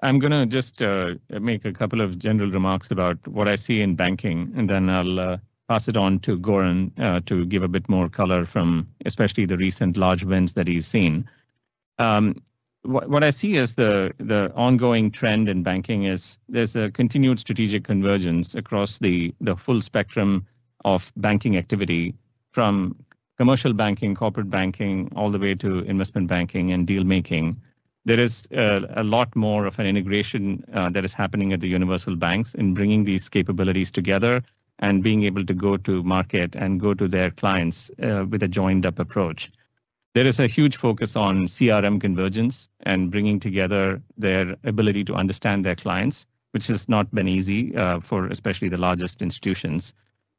I'm going to just make a couple of general remarks about what I see in banking, and then I'll pass it on to Goran to give a bit more color from especially the recent large wins that he's seen. What I see as the ongoing trend in banking is there's a continued strategic convergence across the full spectrum of banking activity, from commercial banking, corporate banking, all the way to investment banking and dealmaking. There is a lot more of an integration that is happening at the universal banks in bringing these capabilities together and being able to go to market and go to their clients with a joined-up approach. There is a huge focus on CRM convergence and bringing together their ability to understand their clients, which has not been easy for especially the largest institutions.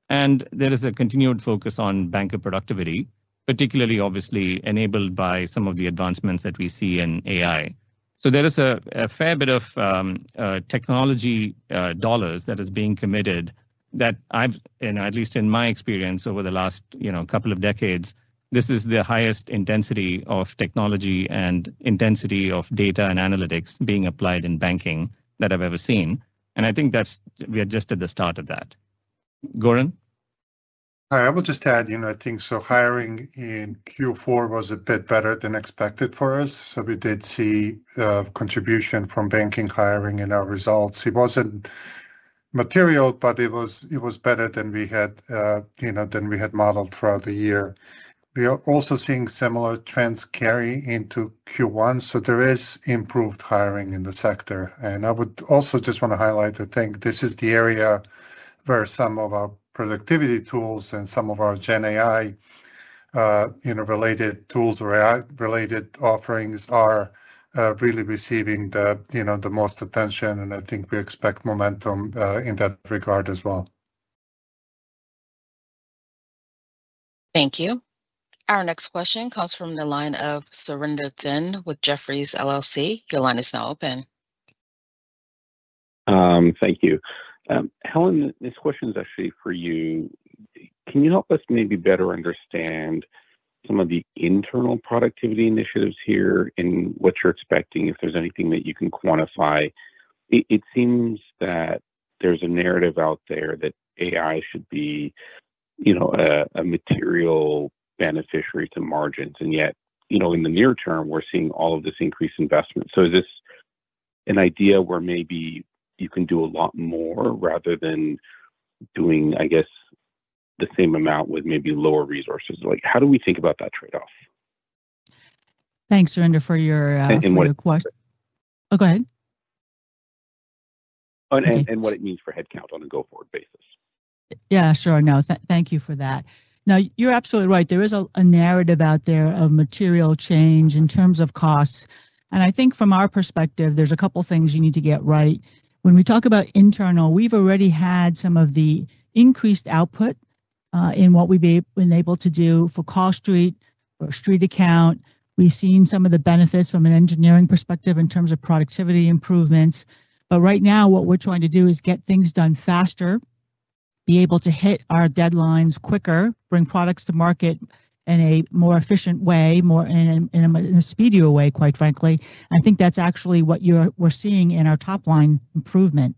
There is a continued focus on banker productivity, particularly obviously enabled by some of the advancements that we see in AI. There is a fair bit of technology dollars that is being committed that I've, at least in my experience over the last couple of decades, this is the highest intensity of technology and intensity of data and analytics being applied in banking that I've ever seen. I think we are just at the start of that. Goran? I will just add, I think hiring in Q4 was a bit better than expected for us. We did see a contribution from banking hiring in our results. It wasn't material, but it was better than we had modeled throughout the year. We are also seeing similar trends carry into Q1. There is improved hiring in the sector. I would also just want to highlight this is the area where some of our productivity tools and some of our GenAI-related tools or AI-related offerings are really receiving the most attention. I think we expect momentum in that regard as well. Thank you. Our next question comes from the line of Surinder Thind with Jefferies LLC. Your line is now open. Thank you. Helen, this question is actually for you. Can you help us maybe better understand some of the internal productivity initiatives here and what you're expecting, if there's anything that you can quantify? It seems that there's a narrative out there that AI should be, you know, a material beneficiary to margins. Yet, you know, in the near term, we're seeing all of this increased investment. Is this an idea where maybe you can do a lot more rather than doing, I guess, the same amount with maybe lower resources? How do we think about that trade-off? Thanks, Surinder, for your question. Oh, go ahead. What it means for headcount on a go-forward basis. Yeah, sure. No, thank you for that. No, you're absolutely right. There is a narrative out there of material change in terms of costs. I think from our perspective, there's a couple of things you need to get right. When we talk about internal, we've already had some of the increased output in what we've been able to do for CallStreet or StreetAccount. We've seen some of the benefits from an engineering perspective in terms of productivity improvements. Right now, what we're trying to do is get things done faster, be able to hit our deadlines quicker, bring products to market in a more efficient way, more in a speedier way, quite frankly. I think that's actually what we're seeing in our top-line improvement.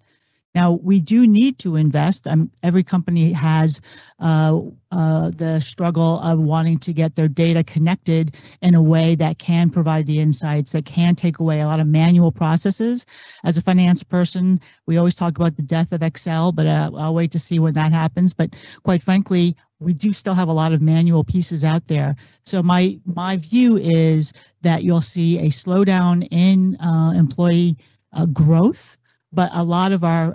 We do need to invest. Every company has the struggle of wanting to get their data connected in a way that can provide the insights, that can take away a lot of manual processes. As a finance person, we always talk about the death of Excel, but I'll wait to see when that happens. Quite frankly, we do still have a lot of manual pieces out there. My view is that you'll see a slowdown in employee growth, but a lot of our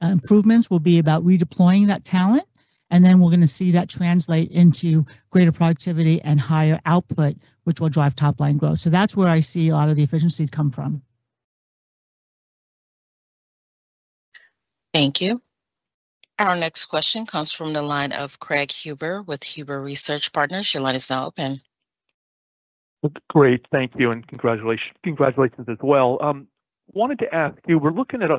improvements will be about redeploying that talent. We're going to see that translate into greater productivity and higher output, which will drive top-line growth. That's where I see a lot of the efficiencies come from. Thank you. Our next question comes from the line of Craig Huber with Huber Research Partners. Your line is now open. Great. Thank you, and congratulations as well. I wanted to ask you, we're looking at,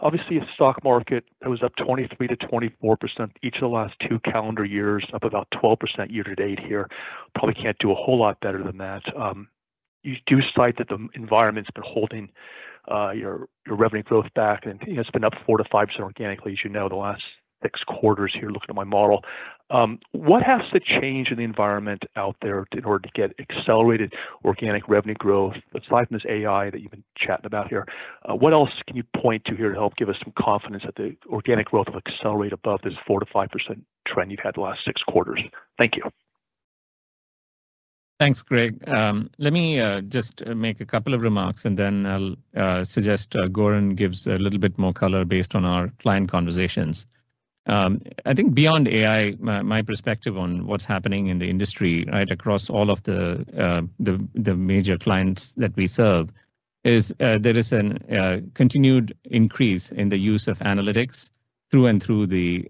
obviously, a stock market that was up 23%-24% each of the last two calendar years, up about 12% year to date here. Probably can't do a whole lot better than that. You do cite that the environment's been holding your revenue growth back, and it's been up 4%-5% organically, as you know, the last six quarters here, looking at my model. What has to change in the environment out there in order to get accelerated organic revenue growth, aside from this AI that you've been chatting about here? What else can you point to here to help give us some confidence that the organic growth will accelerate above this 4%, 5% trend you've had the last six quarters? Thank you. Thanks, Craig. Let me just make a couple of remarks, and then I'll suggest Goran gives a little bit more color based on our client conversations. I think beyond AI, my perspective on what's happening in the industry, right across all of the major clients that we serve, is there is a continued increase in the use of analytics through and through the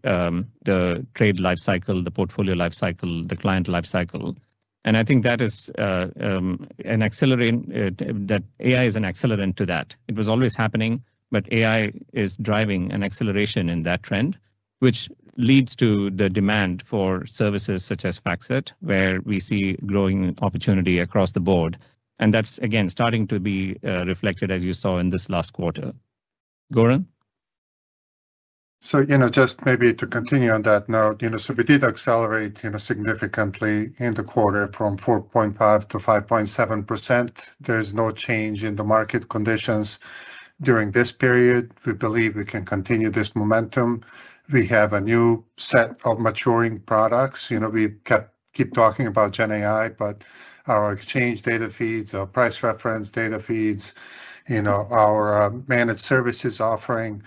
trade lifecycle, the portfolio lifecycle, the client lifecycle. I think that is an accelerant that AI is an accelerant to that. It was always happening, but AI is driving an acceleration in that trend, which leads to the demand for services such as FactSet, where we see growing opportunity across the board. That's, again, starting to be reflected, as you saw in this last quarter. Goran? Just maybe to continue on that note, we did accelerate significantly in the quarter from 4.5%-5.7%. There is no change in the market conditions during this period. We believe we can continue this momentum. We have a new set of maturing products. We keep talking about GenAI, but our exchange data feeds, our price reference data feeds, our managed services offering,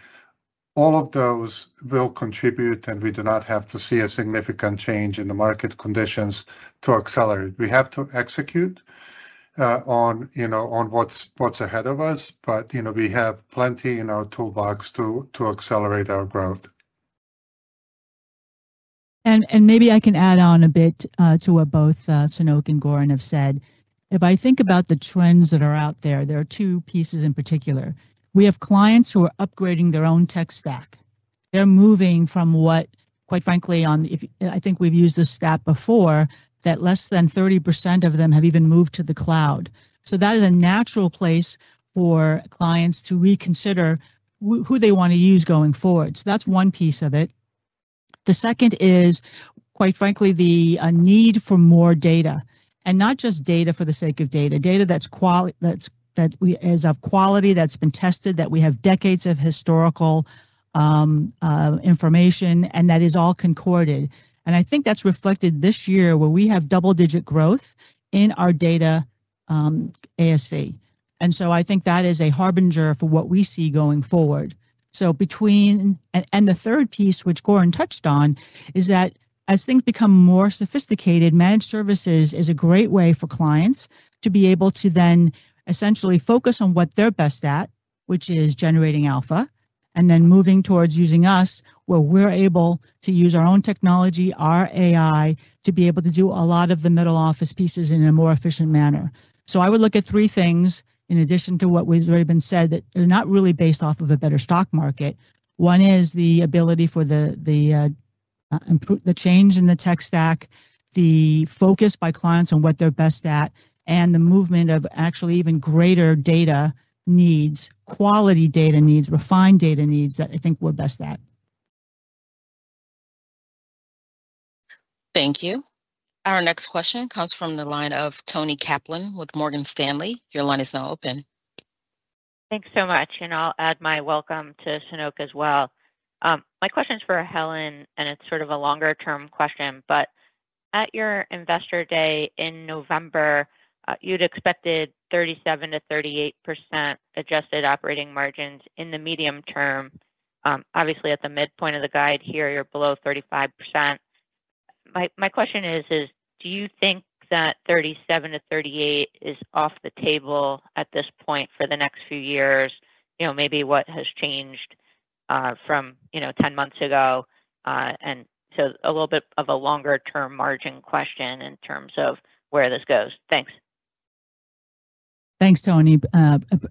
all of those will contribute, and we do not have to see a significant change in the market conditions to accelerate. We have to execute on what's ahead of us, but we have plenty in our toolbox to accelerate our growth. Maybe I can add on a bit to what both Sanoke and Goran have said. If I think about the trends that are out there, there are two pieces in particular. We have clients who are upgrading their own tech stack. They're moving from what, quite frankly, I think we've used this stat before that less than 30% of them have even moved to the cloud. That is a natural place for clients to reconsider who they want to use going forward. That is one piece of it. The second is, quite frankly, the need for more data. Not just data for the sake of data, data that's of quality that's been tested, that we have decades of historical information, and that is all concorded. I think that's reflected this year where we have double-digit growth in our data ASV. I think that is a harbinger for what we see going forward. Between, and the third piece, which Goran touched on, is that as things become more sophisticated, managed services is a great way for clients to be able to then essentially focus on what they're best at, which is generating alpha, and then moving towards using us where we're able to use our own technology, our AI, to be able to do a lot of the middle office pieces in a more efficient manner. I would look at three things in addition to what has already been said that are not really based off of a better stock market. One is the ability for the change in the tech stack, the focus by clients on what they're best at, and the movement of actually even greater data needs, quality data needs, refined data needs that I think we're best at. Thank you. Our next question comes from the line of Toni Kaplan with Morgan Stanley. Your line is now open. Thanks so much. I'll add my welcome to Sanoke as well. My question is for Helen, and it's sort of a longer-term question. At your investor day in November, you'd expected 37%-38% adjusted operating margins in the medium term. Obviously, at the midpoint of the guide here, you're below 35%. My question is, do you think that 37%-38% is off the table at this point for the next few years? Maybe what has changed from 10 months ago? A little bit of a longer-term margin question in terms of where this goes. Thanks. Thanks, Toni.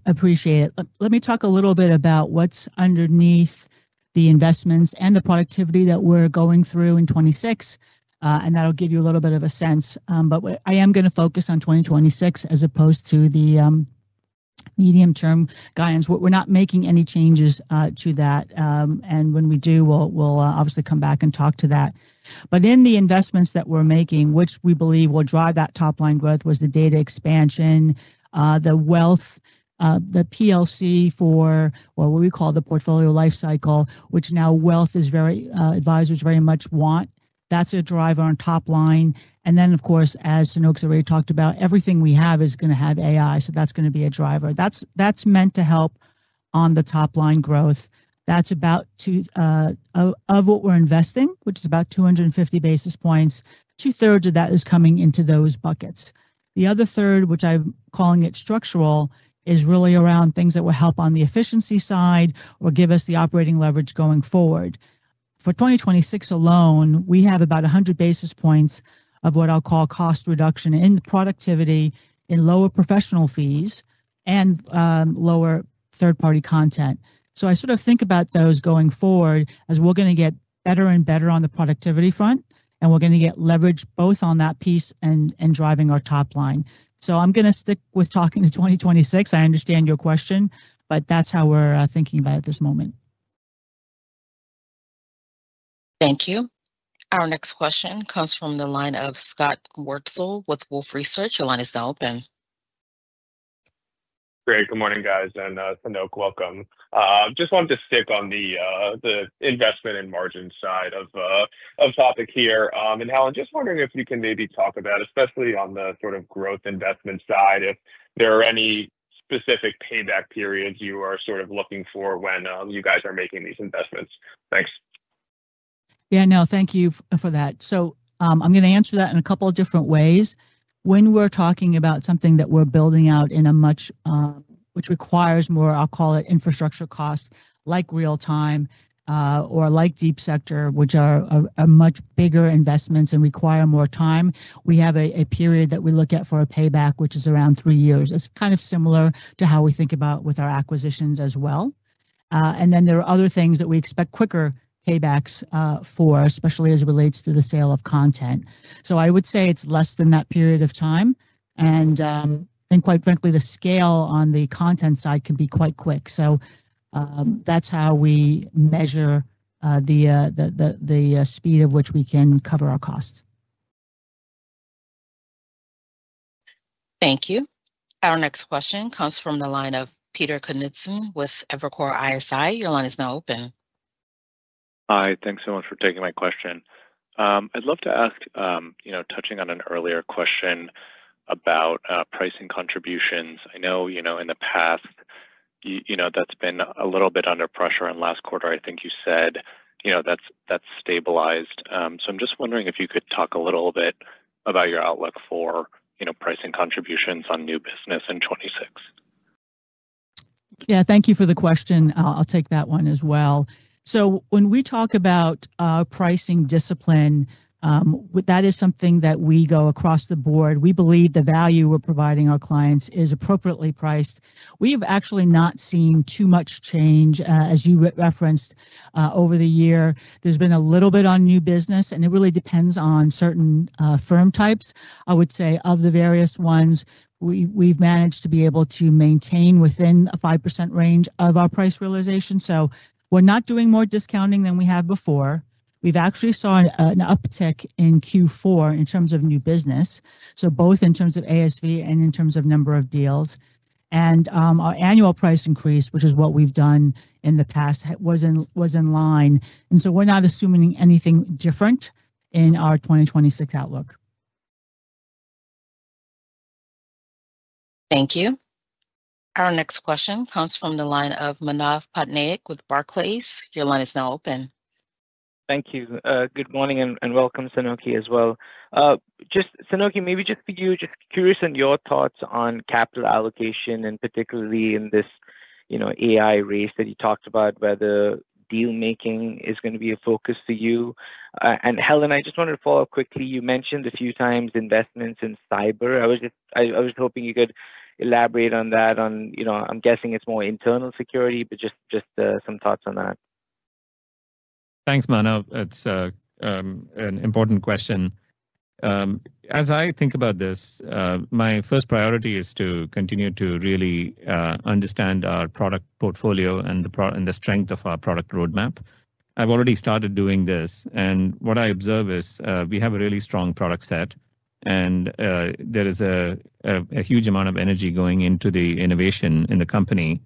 Appreciate it. Let me talk a little bit about what's underneath the investments and the productivity that we're going through in 2026, and that'll give you a little bit of a sense. I am going to focus on 2026 as opposed to the medium-term guidance. We're not making any changes to that. When we do, we'll obviously come back and talk to that. In the investments that we're making, which we believe will drive that top-line growth, was the data expansion, the wealth, the PLC for what we call the portfolio lifecycle, which now wealth is very advisors very much want. That's a driver on top line. Of course, as Sanoke's already talked about, everything we have is going to have AI, so that's going to be a driver. That's meant to help on the top-line growth. That's about of what we're investing, which is about 250 basis points. Two-thirds of that is coming into those buckets. The other third, which I'm calling it structural, is really around things that will help on the efficiency side or give us the operating leverage going forward. For 2026 alone, we have about 100 basis points of what I'll call cost reduction in productivity in lower professional fees and lower third-party content. I sort of think about those going forward as we're going to get better and better on the productivity front, and we're going to get leverage both on that piece and driving our top line. I'm going to stick with talking to 2026. I understand your question, but that's how we're thinking about it at this moment. Thank you. Our next question comes from the line of Scott Wurtzel with Wolfe Research. Your line is now open. Great. Good morning, guys, and Sanoke, welcome. I just wanted to stick on the investment and margin side of the topic here. Helen, just wondering if you can maybe talk about, especially on the sort of growth investment side, if there are any specific payback periods you are sort of looking for when you guys are making these investments. Thanks. Thank you for that. I'm going to answer that in a couple of different ways. When we're talking about something that we're building out, which requires more, I'll call it, infrastructure costs, like real-time or like deep sector, which are much bigger investments and require more time, we have a period that we look at for a payback, which is around three years. It's kind of similar to how we think about with our acquisitions as well. There are other things that we expect quicker paybacks for, especially as it relates to the sale of content. I would say it's less than that period of time. Quite frankly, the scale on the content side can be quite quick. That's how we measure the speed at which we can cover our costs. Thank you. Our next question comes from the line of Peter Knudsen with Evercore ISI. Your line is now open. Hi, thanks so much for taking my question. I'd love to ask, touching on an earlier question about pricing contributions. I know in the past that's been a little bit under pressure. Last quarter, I think you said that's stabilized. I'm just wondering if you could talk a little bit about your outlook for pricing contributions on new business in 2026. Yeah, thank you for the question. I'll take that one as well. When we talk about pricing discipline, that is something that we go across the board. We believe the value we're providing our clients is appropriately priced. We have actually not seen too much change, as you referenced, over the year. There's been a little bit on new business, and it really depends on certain firm types. I would say of the various ones, we've managed to be able to maintain within a 5% range of our price realization. We're not doing more discounting than we have before. We've actually seen an uptick in Q4 in terms of new business, both in terms of ASV and in terms of number of deals. Our annual price increase, which is what we've done in the past, was in line. We're not assuming anything different in our 2026 outlook. Thank you. Our next question comes from the line of Manav Patnaik with Barclays. Your line is now open. Thank you. Good morning and welcome, Sanoke, as well. Just, Sanoke, maybe just for you, just curious on your thoughts on capital allocation, and particularly in this, you know, AI race that you talked about, whether dealmaking is going to be a focus for you. Helen, I just wanted to follow up quickly. You mentioned a few times investments in cyber. I was just hoping you could elaborate on that. You know, I'm guessing it's more internal security, but just some thoughts on that. Thanks, Manav. It's an important question. As I think about this, my first priority is to continue to really understand our product portfolio and the strength of our product roadmap. I've already started doing this. What I observe is we have a really strong product set, and there is a huge amount of energy going into the innovation in the company.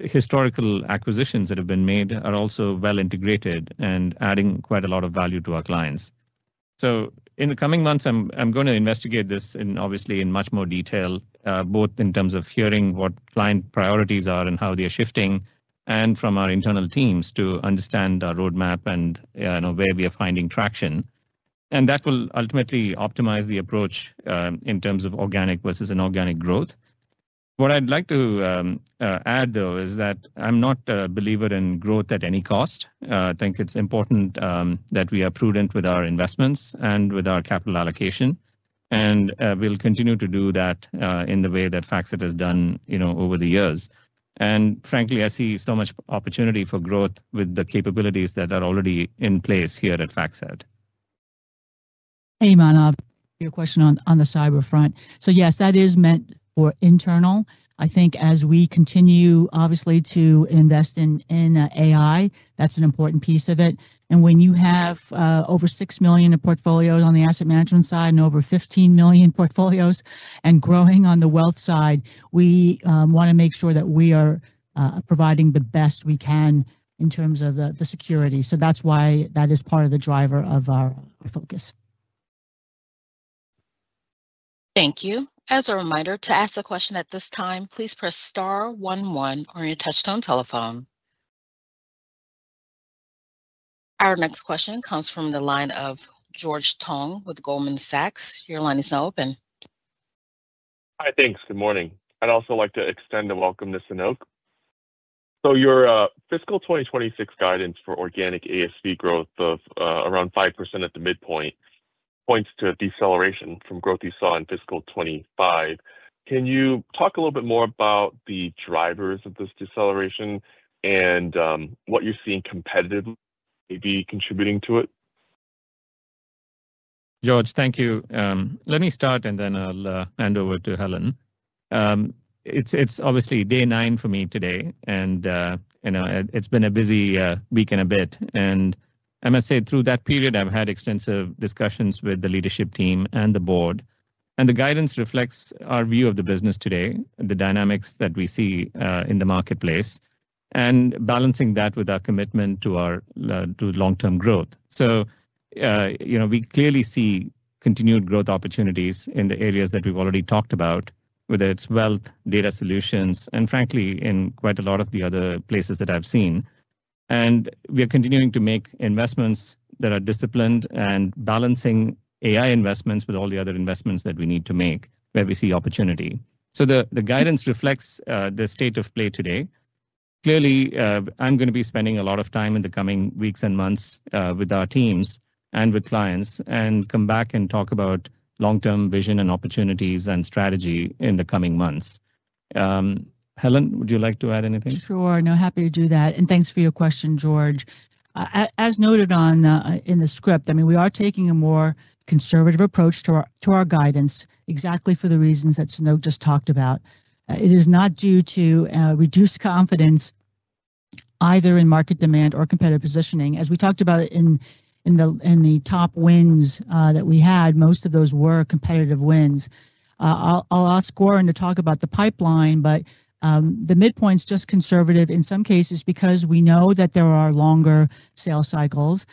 Historical acquisitions that have been made are also well integrated and adding quite a lot of value to our clients. In the coming months, I'm going to investigate this obviously in much more detail, both in terms of hearing what client priorities are and how they are shifting, and from our internal teams to understand our roadmap and where we are finding traction. That will ultimately optimize the approach in terms of organic versus inorganic growth. What I'd like to add, though, is that I'm not a believer in growth at any cost. I think it's important that we are prudent with our investments and with our capital allocation. We'll continue to do that in the way that FactSet has done over the years. Frankly, I see so much opportunity for growth with the capabilities that are already in place here at FactSet. Hey, Manav. Your question on the cyber front. Yes, that is meant for internal. I think as we continue obviously to invest in AI, that's an important piece of it. When you have over 6 million portfolios on the asset management side and over 15 million portfolios and growing on the wealth side, we want to make sure that we are providing the best we can in terms of the security. That is part of the driver of our focus. Thank you. As a reminder, to ask a question at this time, please press star one one on your touch-tone telephone. Our next question comes from the line of George Tong with Goldman Sachs. Your line is now open. Hi, thanks. Good morning. I'd also like to extend a welcome to Sanoke. Your fiscal 2026 guidance for organic ASV growth of around 5% at the midpoint points to a deceleration from growth you saw in fiscal 2025. Can you talk a little bit more about the drivers of this deceleration and what you're seeing competitively maybe contributing to it? George, thank you. Let me start, and then I'll hand over to Helen. It's obviously Day 9 for me today, and it's been a busy week and a bit. I must say, through that period, I've had extensive discussions with the leadership team and the board. The guidance reflects our view of the business today, the dynamics that we see in the marketplace, and balancing that with our commitment to our long-term growth. We clearly see continued growth opportunities in the areas that we've already talked about, whether it's wealth, data solutions, and frankly, in quite a lot of the other places that I've seen. We are continuing to make investments that are disciplined and balancing AI investments with all the other investments that we need to make where we see opportunity. The guidance reflects the state of play today. Clearly, I'm going to be spending a lot of time in the coming weeks and months with our teams and with clients, and come back and talk about long-term vision and opportunities and strategy in the coming months. Helen, would you like to add anything? Sure. No, happy to do that. Thanks for your question, George. As noted in the script, we are taking a more conservative approach to our guidance exactly for the reasons that Sanoke just talked about. It is not due to reduced confidence either in market demand or competitive positioning. As we talked about in the top wins that we had, most of those were competitive wins. I'll ask Goran to talk about the pipeline, but the midpoint is just conservative in some cases because we know that there are longer sales cycles.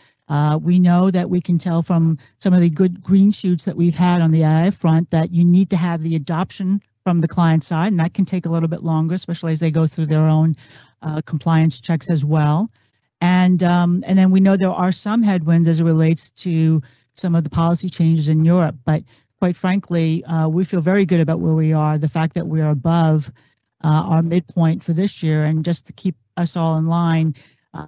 We know that we can tell from some of the good green shoots that we've had on the AI front that you need to have the adoption from the client side, and that can take a little bit longer, especially as they go through their own compliance checks as well. We know there are some headwinds as it relates to some of the policy changes in Europe. Quite frankly, we feel very good about where we are, the fact that we are above our midpoint for this year. Just to keep us all in line,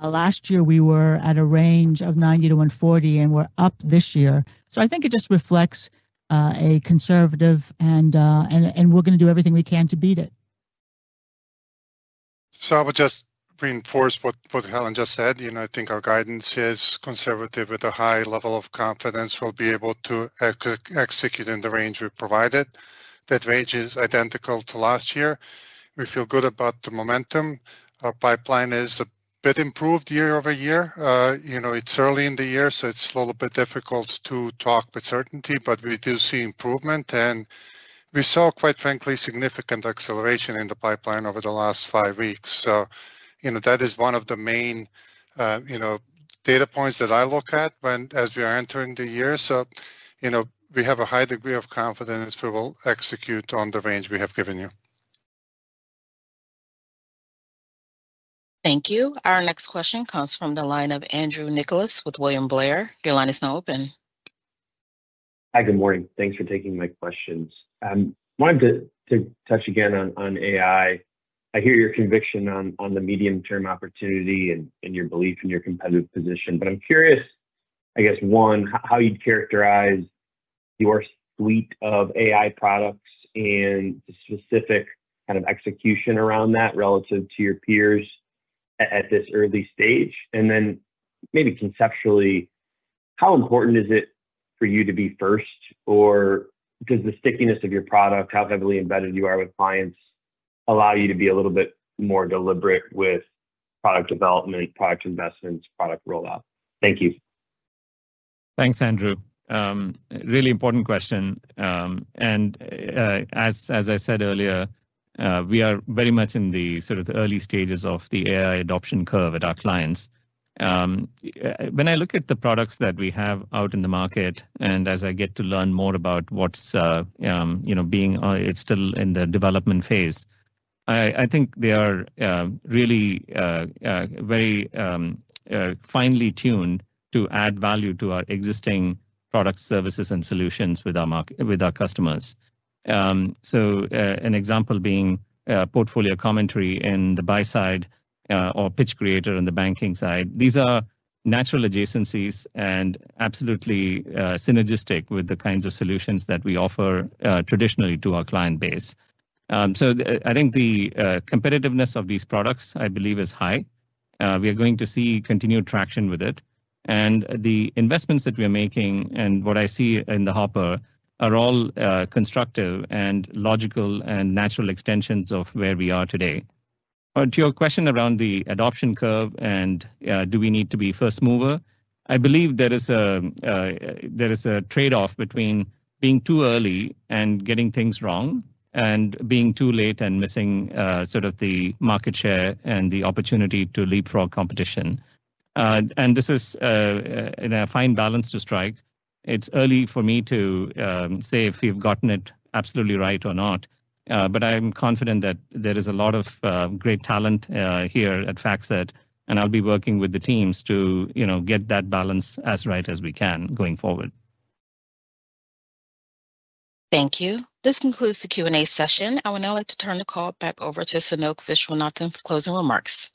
last year we were at a range of $90 million-$140 million, and we're up this year. I think it just reflects a conservative and we're going to do everything we can to beat it. I would just reinforce what Helen just said. I think our guidance is conservative with a high level of confidence. We'll be able to execute in the range we provided. That range is identical to last year. We feel good about the momentum. Our pipeline is a bit improved year-over-year. It's early in the year, so it's a little bit difficult to talk with certainty, but we do see improvement. We saw, quite frankly, significant acceleration in the pipeline over the last five weeks. That is one of the main data points that I look at as we are entering the year. We have a high degree of confidence we will execute on the range we have given you. Thank you. Our next question comes from the line of Andrew Nicholas with William Blair. Your line is now open. Hi, good morning. Thanks for taking my questions. I wanted to touch again on AI. I hear your conviction on the medium-term opportunity and your belief in your competitive position. I'm curious, I guess, one, how you'd characterize your suite of AI products and the specific kind of execution around that relative to your peers at this early stage. Maybe conceptually, how important is it for you to be first, or does the stickiness of your product, how heavily embedded you are with clients, allow you to be a little bit more deliberate with product development, product investments, product rollout? Thank you. Thanks, Andrew. Really important question. As I said earlier, we are very much in the early stages of the AI adoption curve at our clients. When I look at the products that we have out in the market, and as I get to learn more about what's being developed, it's still in the development phase. I think they are really very finely tuned to add value to our existing products, services, and solutions with our customers. An example being portfolio commentary in the buy-side or pitch creator on the banking-side. These are natural adjacencies and absolutely synergistic with the kinds of solutions that we offer traditionally to our client base. I think the competitiveness of these products, I believe, is high. We are going to see continued traction with it. The investments that we are making and what I see in the hopper are all constructive and logical and natural extensions of where we are today. To your question around the adoption curve and do we need to be first mover, I believe there is a trade-off between being too early and getting things wrong and being too late and missing the market share and the opportunity to leapfrog competition. This is a fine balance to strike. It's early for me to say if we've gotten it absolutely right or not. I'm confident that there is a lot of great talent here at FactSet, and I'll be working with the teams to get that balance as right as we can going forward. Thank you. This concludes the Q&A session. I would now like to turn the call back over to Sanoke Viswanathan for closing remarks.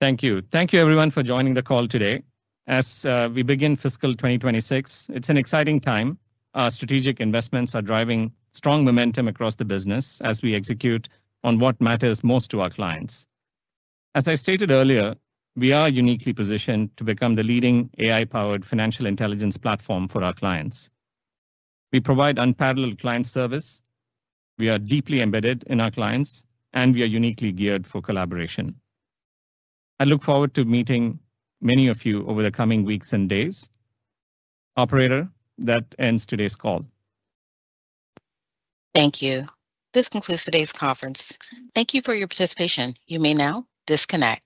Thank you. Thank you, everyone, for joining the call today. As we begin fiscal 2026, it's an exciting time. Our strategic investments are driving strong momentum across the business as we execute on what matters most to our clients. As I stated earlier, we are uniquely positioned to become the leading AI-powered financial intelligence platform for our clients. We provide unparalleled client service. We are deeply embedded in our clients, and we are uniquely geared for collaboration. I look forward to meeting many of you over the coming weeks and days. Operator, that ends today's call. Thank you. This concludes today's conference. Thank you for your participation. You may now disconnect.